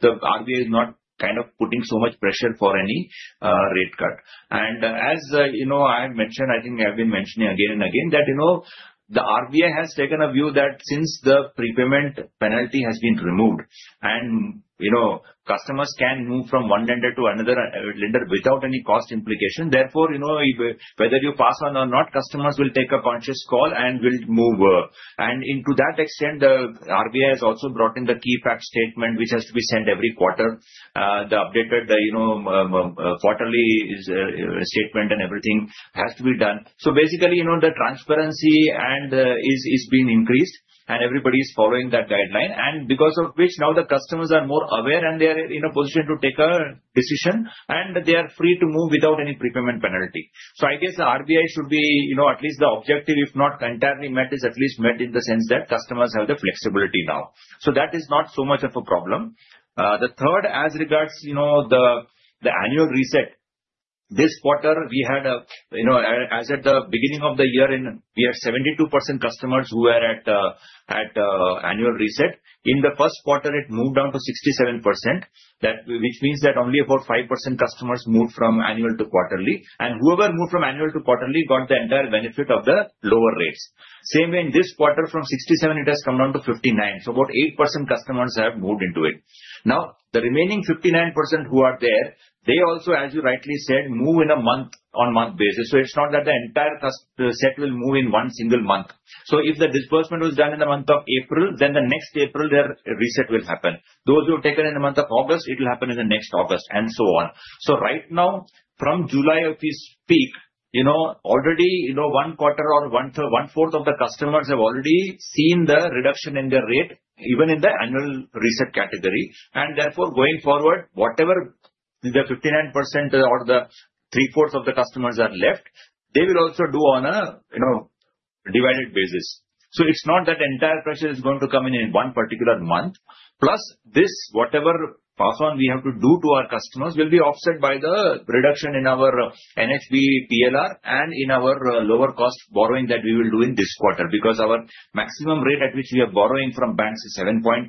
the RBI is not kind of putting so much pressure for any rate cut. And as I mentioned, I think I've been mentioning again and again that the RBI has taken a view that since the prepayment penalty has been removed, and customers can move from one lender to another lender without any cost implication. Therefore, whether you pass on or not, customers will take a conscious call and will move. And to that extent, the RBI has also brought in the Key Fact Statement, which has to be sent every quarter, the updated quarterly statement and everything has to be done. So basically, the transparency has been increased, and everybody is following that guideline. And because of which now the customers are more aware, and they are in a position to take a decision, and they are free to move without any prepayment penalty. So I guess the RBI should be at least the objective, if not entirely met, is at least met in the sense that customers have the flexibility now. So that is not so much of a problem. The third, as regards the annual reset, this quarter, we had, as at the beginning of the year, we had 72% customers who were at annual reset. In the Q1, it moved down to 67%, which means that only about 5% customers moved from annual to quarterly. And whoever moved from annual to quarterly got the entire benefit of the lower rates. Same way in this quarter, from 67%, it has come down to 59%. So about 8% customers have moved into it. Now, the remaining 59% who are there, they also, as you rightly said, move on a month-on-month basis. So it's not that the entire set will move in one single month. So if the disbursement was done in the month of April, then the next April, their reset will happen. Those who have taken it in the month of August, it will happen in the next August, and so on. So right now, from July of this peak, already one quarter or one fourth of the customers have already seen the reduction in their rate, even in the annual reset category. And therefore, going forward, whatever the 59% or the three-fourths of the customers are left, they will also do on a divided basis. So it's not that entire pressure is going to come in one particular month. Plus, this whatever pass-on we have to do to our customers will be offset by the reduction in our NHB, PLR, and in our lower-cost borrowing that we will do in this quarter because our maximum rate at which we are borrowing from banks is 7.10,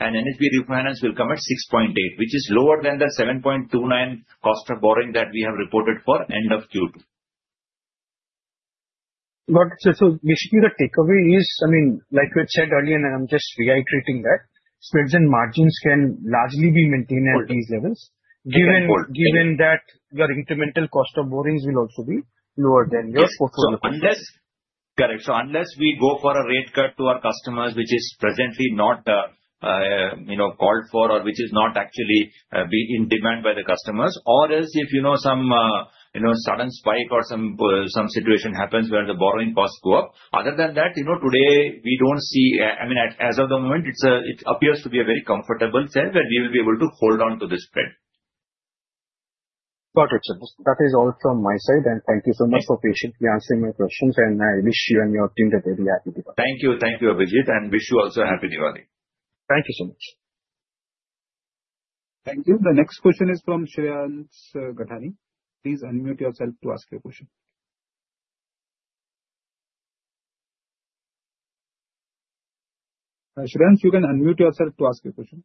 and NHB refinance will come at 6.8, which is lower than the 7.29 cost of borrowing that we have reported for end of Q2. But sir, so basically the takeaway is, I mean, like you had said earlier, and I'm just reiterating that spreads and margins can largely be maintained at these levels, given that your incremental cost of borrowings will also be lower than your portfolio. Correct, so unless we go for a rate cut to our customers, which is presently not called for or which is not actually in demand by the customers, or if some sudden spike or some situation happens where the borrowing costs go up. Other than that, today we don't see, I mean, as of the moment, it appears to be a very comfortable set where we will be able to hold on to this spread. Got it, sir. That is all from my side. And thank you so much for patiently answering my questions. And I wish you and your team a very happy Diwali. Thank you. Thank you, Abhijit. And wish you also a happy Diwali. Thank you so much. Thank you. The next question is from Shreyans Gadhani. Please unmute yourself to ask your question. Shreyans, you can unmute yourself to ask your question.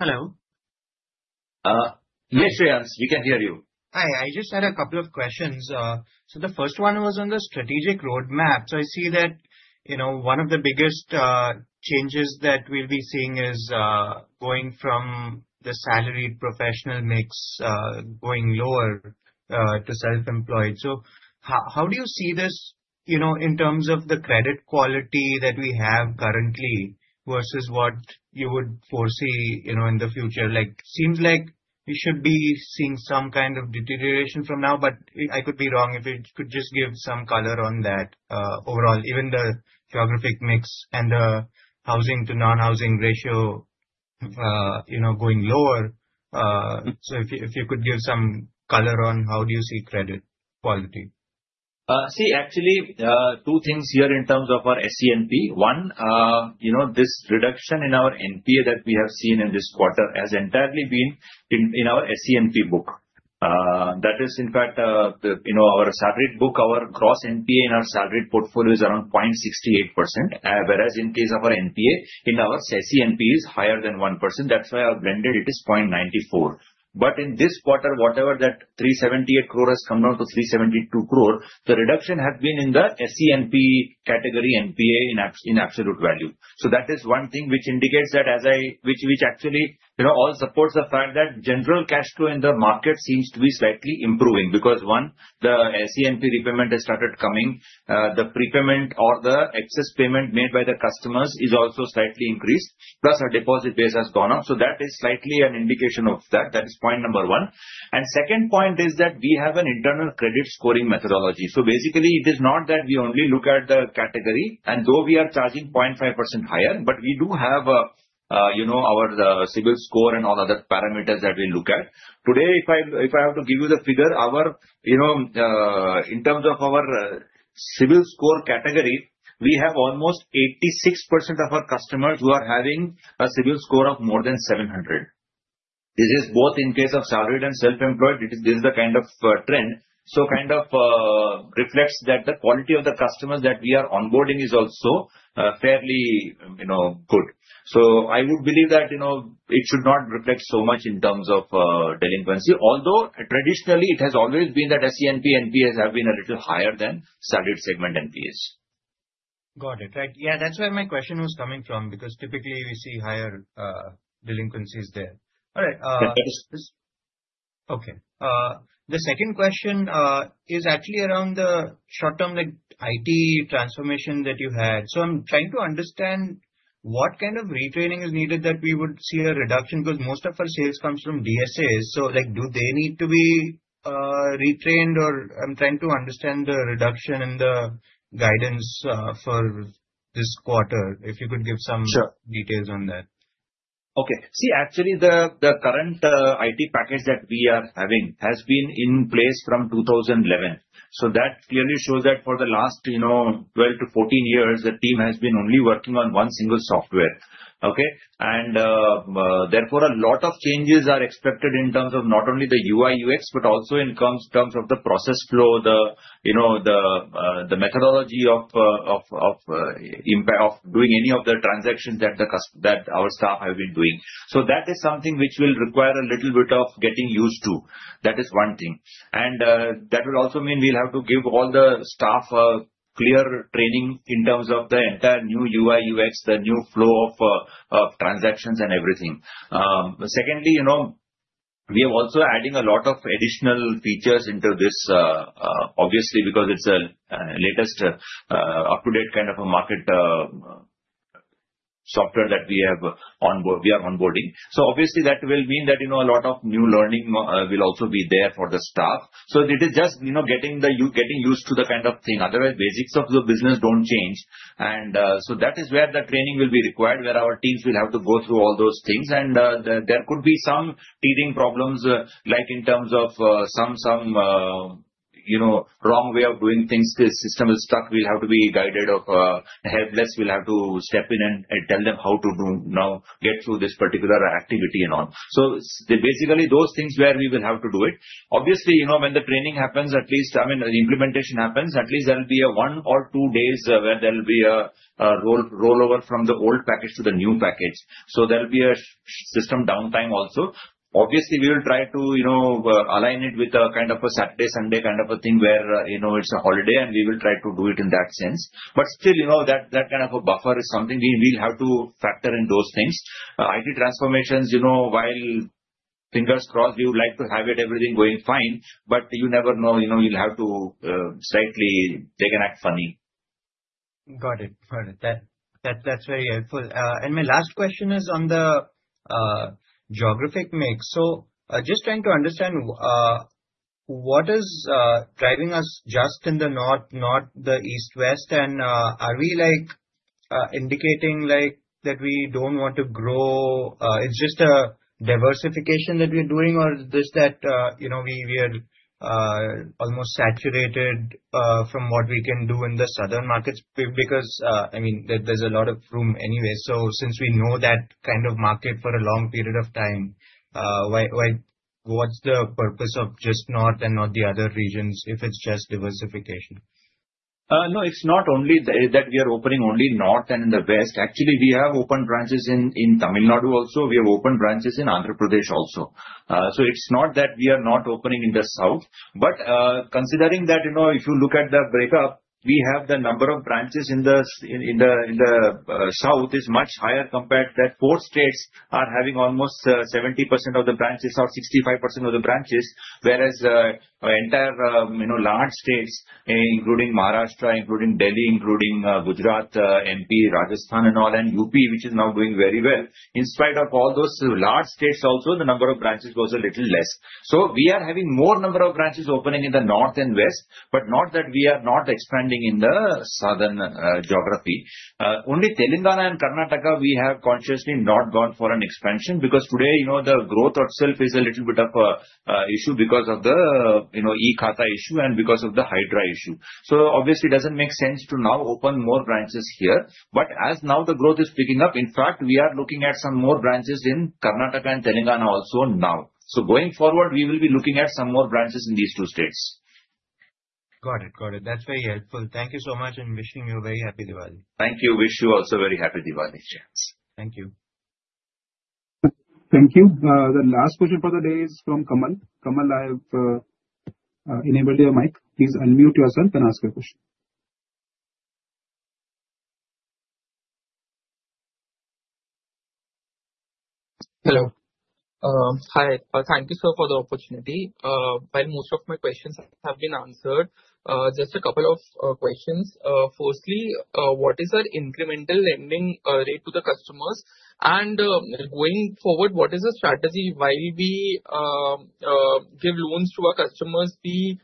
Hello. Yes, Shreyans, we can hear you. Hi. I just had a couple of questions. So the first one was on the strategic roadmap. So I see that one of the biggest changes that we'll be seeing is going from the salaried professional mix going lower to self-employed. So how do you see this in terms of the credit quality that we have currently versus what you would foresee in the future? It seems like we should be seeing some kind of deterioration from now, but I could be wrong if you could just give some color on that overall, even the geographic mix and the housing-to-non-housing ratio going lower. So if you could give some color on how do you see credit quality? See, actually, two things here in terms of our SCNP. One, this reduction in our NPA that we have seen in this quarter has entirely been in our SCNP book. That is, in fact, our salaried book, our gross NPA in our salaried portfolio is around 0.68%, whereas in case of our NPA, in our SCNP, it is higher than 1%. That's why our blended, it is 0.94%. But in this quarter, whatever that 378 crore has come down to 372 crore, the reduction has been in the SCNP category NPA in absolute value. So that is one thing which indicates that, which actually all supports the fact that general cash flow in the market seems to be slightly improving because, one, the SCNP repayment has started coming. The prepayment or the excess payment made by the customers is also slightly increased. Plus, our deposit base has gone up. So that is slightly an indication of that. That is point number one. And second point is that we have an internal credit scoring methodology. So basically, it is not that we only look at the category, and though we are charging 0.5% higher, but we do have our CIBIL score and all other parameters that we look at. Today, if I have to give you the figure, in terms of our CIBIL score category, we have almost 86% of our customers who are having a CIBIL score of more than 700. This is both in case of salaried and self-employed. This is the kind of trend. So kind of reflects that the quality of the customers that we are onboarding is also fairly good. So I would believe that it should not reflect so much in terms of delinquency. Although traditionally, it has always been that SCNP NPAs have been a little higher than salaried segment NPAs. Got it. Right. Yeah, that's where my question was coming from because typically we see higher delinquencies there. All right. Okay. The second question is actually around the short-term IT transformation that you had. So I'm trying to understand what kind of retraining is needed that we would see a reduction because most of our sales comes from DSAs. So do they need to be retrained? Or I'm trying to understand the reduction and the guidance for this quarter, if you could give some details on that. Okay. See, actually, the current IT package that we are having has been in place from 2011. So that clearly shows that for the last 12-14 years, the team has been only working on one single software. Okay. And therefore, a lot of changes are expected in terms of not only the UI/UX, but also in terms of the process flow, the methodology of doing any of the transactions that our staff have been doing. So that is something which will require a little bit of getting used to. That is one thing. And that will also mean we'll have to give all the staff clear training in terms of the entire new UI/UX, the new flow of transactions and everything. Secondly, we are also adding a lot of additional features into this, obviously, because it's the latest, up-to-date kind of a market software that we are onboarding. So obviously, that will mean that a lot of new learning will also be there for the staff. So it is just getting used to the kind of thing. Otherwise, basics of the business don't change. And so that is where the training will be required, where our teams will have to go through all those things. And there could be some teething problems, like in terms of some wrong way of doing things, the system is stuck. We'll have to guide the helpless. We'll have to step in and tell them how to now get through this particular activity and so on. So basically, those things where we will have to do it. Obviously, when the training happens, at least, I mean, the implementation happens, at least there will be one or two days where there will be a rollover from the old package to the new package. So there will be a system downtime also. Obviously, we will try to align it with a kind of a Saturday, Sunday kind of a thing where it's a holiday, and we will try to do it in that sense, but still, that kind of a buffer is something we'll have to factor in those things. IT transformations, while fingers crossed, we would like to have everything going fine, but you never know. You'll have to slightly take it funny. Got it. That's very helpful, and my last question is on the geographic mix, so just trying to understand what is driving us just in the north, not the east-west? And are we indicating that we don't want to grow? It's just a diversification that we're doing, or is this that we are almost saturated from what we can do in the southern markets? Because, I mean, there's a lot of room anyway. So since we know that kind of market for a long period of time, what's the purpose of just north and not the other regions if it's just diversification? No, it's not only that we are opening only north and in the west. Actually, we have open branches in Tamil Nadu also. We have open branches in Andhra Pradesh also. So it's not that we are not opening in the south. But considering that if you look at the breakup, we have the number of branches in the south is much higher compared to that. Four states are having almost 70% of the branches or 65% of the branches, whereas entire large states, including Maharashtra, including Delhi, including Gujarat, MP, Rajasthan, and all, and UP, which is now doing very well. In spite of all those large states also, the number of branches was a little less. So we are having more number of branches opening in the north and west, but not that we are not expanding in the southern geography. Only Telangana and Karnataka, we have consciously not gone for an expansion because today, the growth itself is a little bit of an issue because of the E Khata issue and because of the HYDRA issue. So obviously, it doesn't make sense to now open more branches here. But as now the growth is picking up, in fact, we are looking at some more branches in Karnataka and Telangana also now. So going forward, we will be looking at some more branches in these two states. Got it. Got it. That's very helpful. Thank you so much and wishing you a very happy Diwali. Thank you. Wish you also a very happy Diwali, Shreyans. Thank you. Thank you. The last question for the day is from Kamal. Kamal, I have enabled your mic. Please unmute yourself and ask your question. Hello. Hi. Thank you, sir, for the opportunity. While most of my questions have been answered, just a couple of questions. Firstly, what is our incremental lending rate to the customers? And going forward, what is the strategy while we give loans to our customers? Be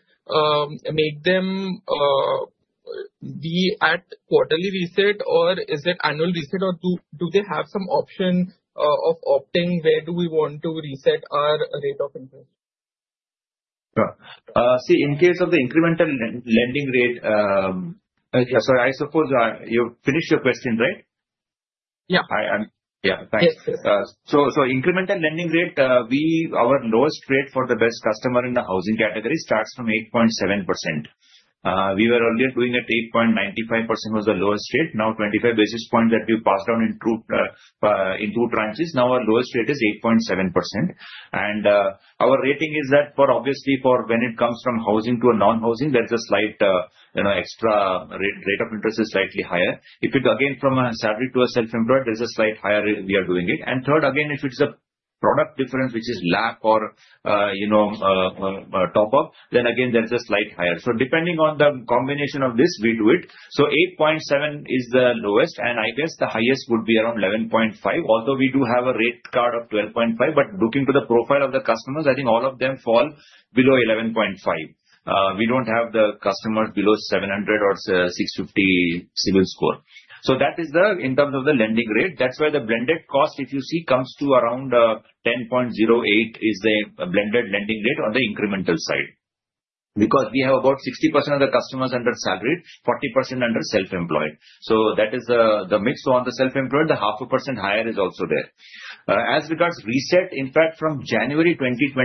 at quarterly reset, or is it annual reset? Or do they have some option of opting where do we want to reset our rate of interest? See, in case of the incremental lending rate, sorry, I suppose you finished your question, right? Yeah. Yes. So incremental lending rate, our lowest rate for the best customer in the housing category starts from 8.7%. We were earlier doing at 8.95% was the lowest rate. Now, 25 basis points that we passed down in two tranches. Now our lowest rate is 8.7%. And our range is that, obviously, when it comes from housing to non-housing, there's a slight extra rate of interest is slightly higher. If it's again from salaried to a self-employed, there's a slight higher rate we are doing it. And third, again, if it's a product difference, which is LAP or top-up, then again, there's a slight higher. So depending on the combination of this, we do it. So 8.7% is the lowest. And I guess the highest would be around 11.5%. Although we do have a rate card of 12.5%, but looking to the profile of the customers, I think all of them fall below 11.5%. We don't have the customers below 700 or 650 CIBIL score. So that is it in terms of the lending rate. That's where the blended cost, if you see, comes to around 10.08%, is the blended lending rate on the incremental side. Because we have about 60% of the customers under salaried, 40% under self-employed. So that is the mix. So on the self-employed, the 0.5% higher is also there. As regards reset, in fact, from January 2024,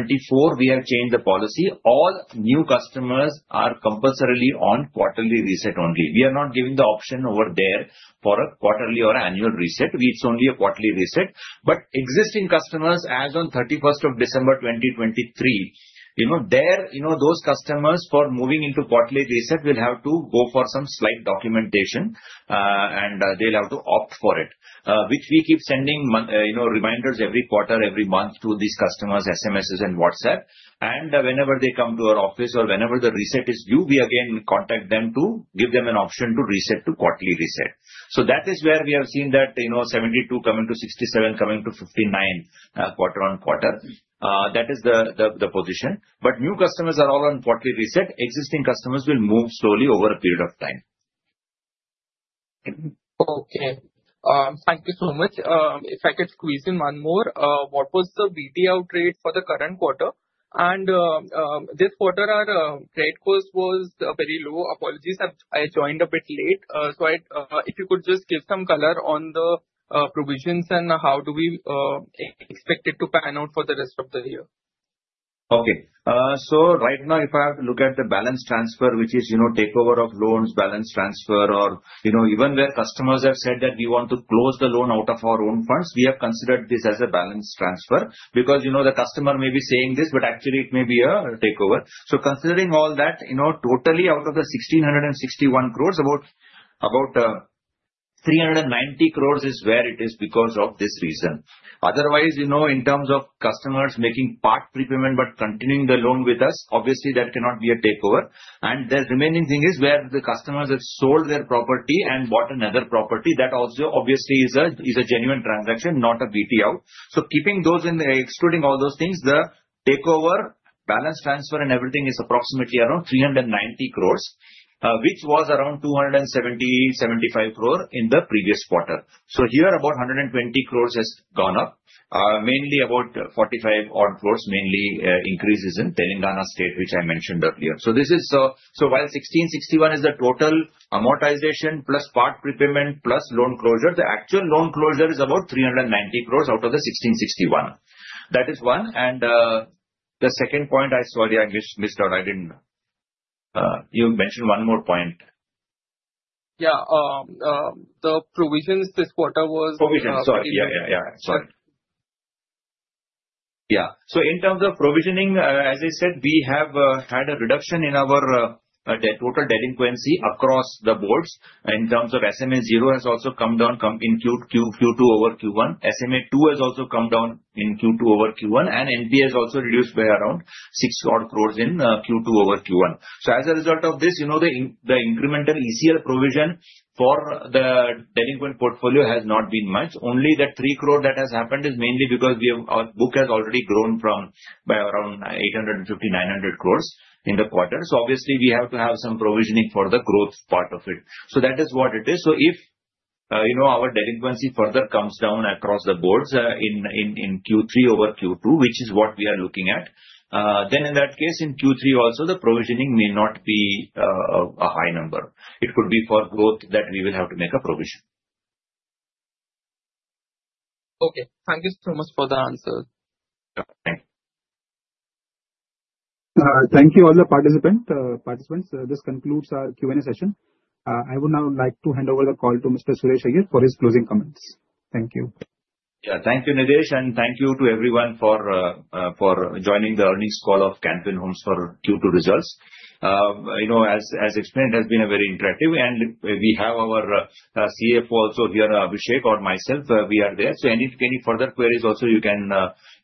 we have changed the policy. All new customers are compulsorily on quarterly reset only. We are not giving the option over there for a quarterly or annual reset. It's only a quarterly reset. But existing customers, as on December 31st, 2023, those customers for moving into quarterly reset will have to go for some slight documentation, and they'll have to opt for it. We keep sending reminders every quarter, every month to these customers, SMSs and WhatsApp. And whenever they come to our office or whenever the reset is due, we again contact them to give them an option to reset to quarterly reset. So that is where we have seen that 72 coming to 67, coming to 59 quarter-on-quarter. That is the position. But new customers are all on quarterly reset. Existing customers will move slowly over a period of time. Okay. Thank you so much. If I could squeeze in one more, what was the write-off rate for the current quarter? And this quarter, our write-off cost was very low. Apologies, I joined a bit late. So if you could just give some color on the provisions and how do we expect it to pan out for the rest of the year. Okay. So right now, if I have to look at the balance transfer, which is takeover of loans, balance transfer, or even where customers have said that we want to close the loan out of our own funds, we have considered this as a balance transfer. Because the customer may be saying this, but actually, it may be a takeover. So considering all that, totally out of the 1,661 crores, about 390 crores is where it is because of this reason. Otherwise, in terms of customers making part prepayment but continuing the loan with us, obviously, that cannot be a takeover. And the remaining thing is where the customers have sold their property and bought another property. That also, obviously, is a genuine transaction, not a BT out. So keeping those and excluding all those things, the takeover, balance transfer, and everything is approximately around 390 crores, which was around 270-75 crore in the previous quarter. So here, about 120 crores has gone up, mainly about 45 crores-odd crores, mainly increases in Telangana state, which I mentioned earlier. So while 1,661 is the total amortization plus part prepayment plus loan closure, the actual loan closure is about 390 crores out of the 1,661. That is one. And the second point, I'm sorry, I missed out. You mentioned one more point. Yeah. The provisions this quarter was. Provisions. Sorry. Yeah. Yeah. Sorry. Yeah. So in terms of provisioning, as I said, we have had a reduction in our total delinquency across the boards. In terms of SMA 0 has also come down in Q2 over Q1. SMA 2 has also come down in Q2 over Q1. And NPA has also reduced by around 6 crores-odd crores in Q2 over Q1. So as a result of this, the incremental ECL provision for the delinquent portfolio has not been much. Only that 3 crore that has happened is mainly because our book has already grown by around 850 crores-900 crores in the quarter. So obviously, we have to have some provisioning for the growth part of it. So that is what it is. So if our delinquency further comes down across the board in Q3 over Q2, which is what we are looking at, then in that case, in Q3 also, the provisioning may not be a high number. It could be for growth that we will have to make a provision. Okay. Thank you so much for the answer. Thank you. Thank you, all the participants. This concludes our Q&A session. I would now like to hand over the call to Mr. Suresh Iyer for his closing comments. Thank you. Yeah. Thank you, Nidesh. And thank you to everyone for joining the earnings call of Can Fin Homes for Q2 results. As explained, it has been very interactive. And we have our CFO also here, Abhishek, or myself. We are there. So any further queries, also you can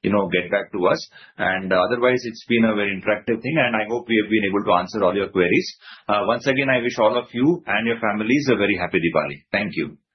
get back to us. And otherwise, it's been a very interactive thing. And I hope we have been able to answer all your queries. Once again, I wish all of you and your families a very happy Diwali. Thank you. Thank you.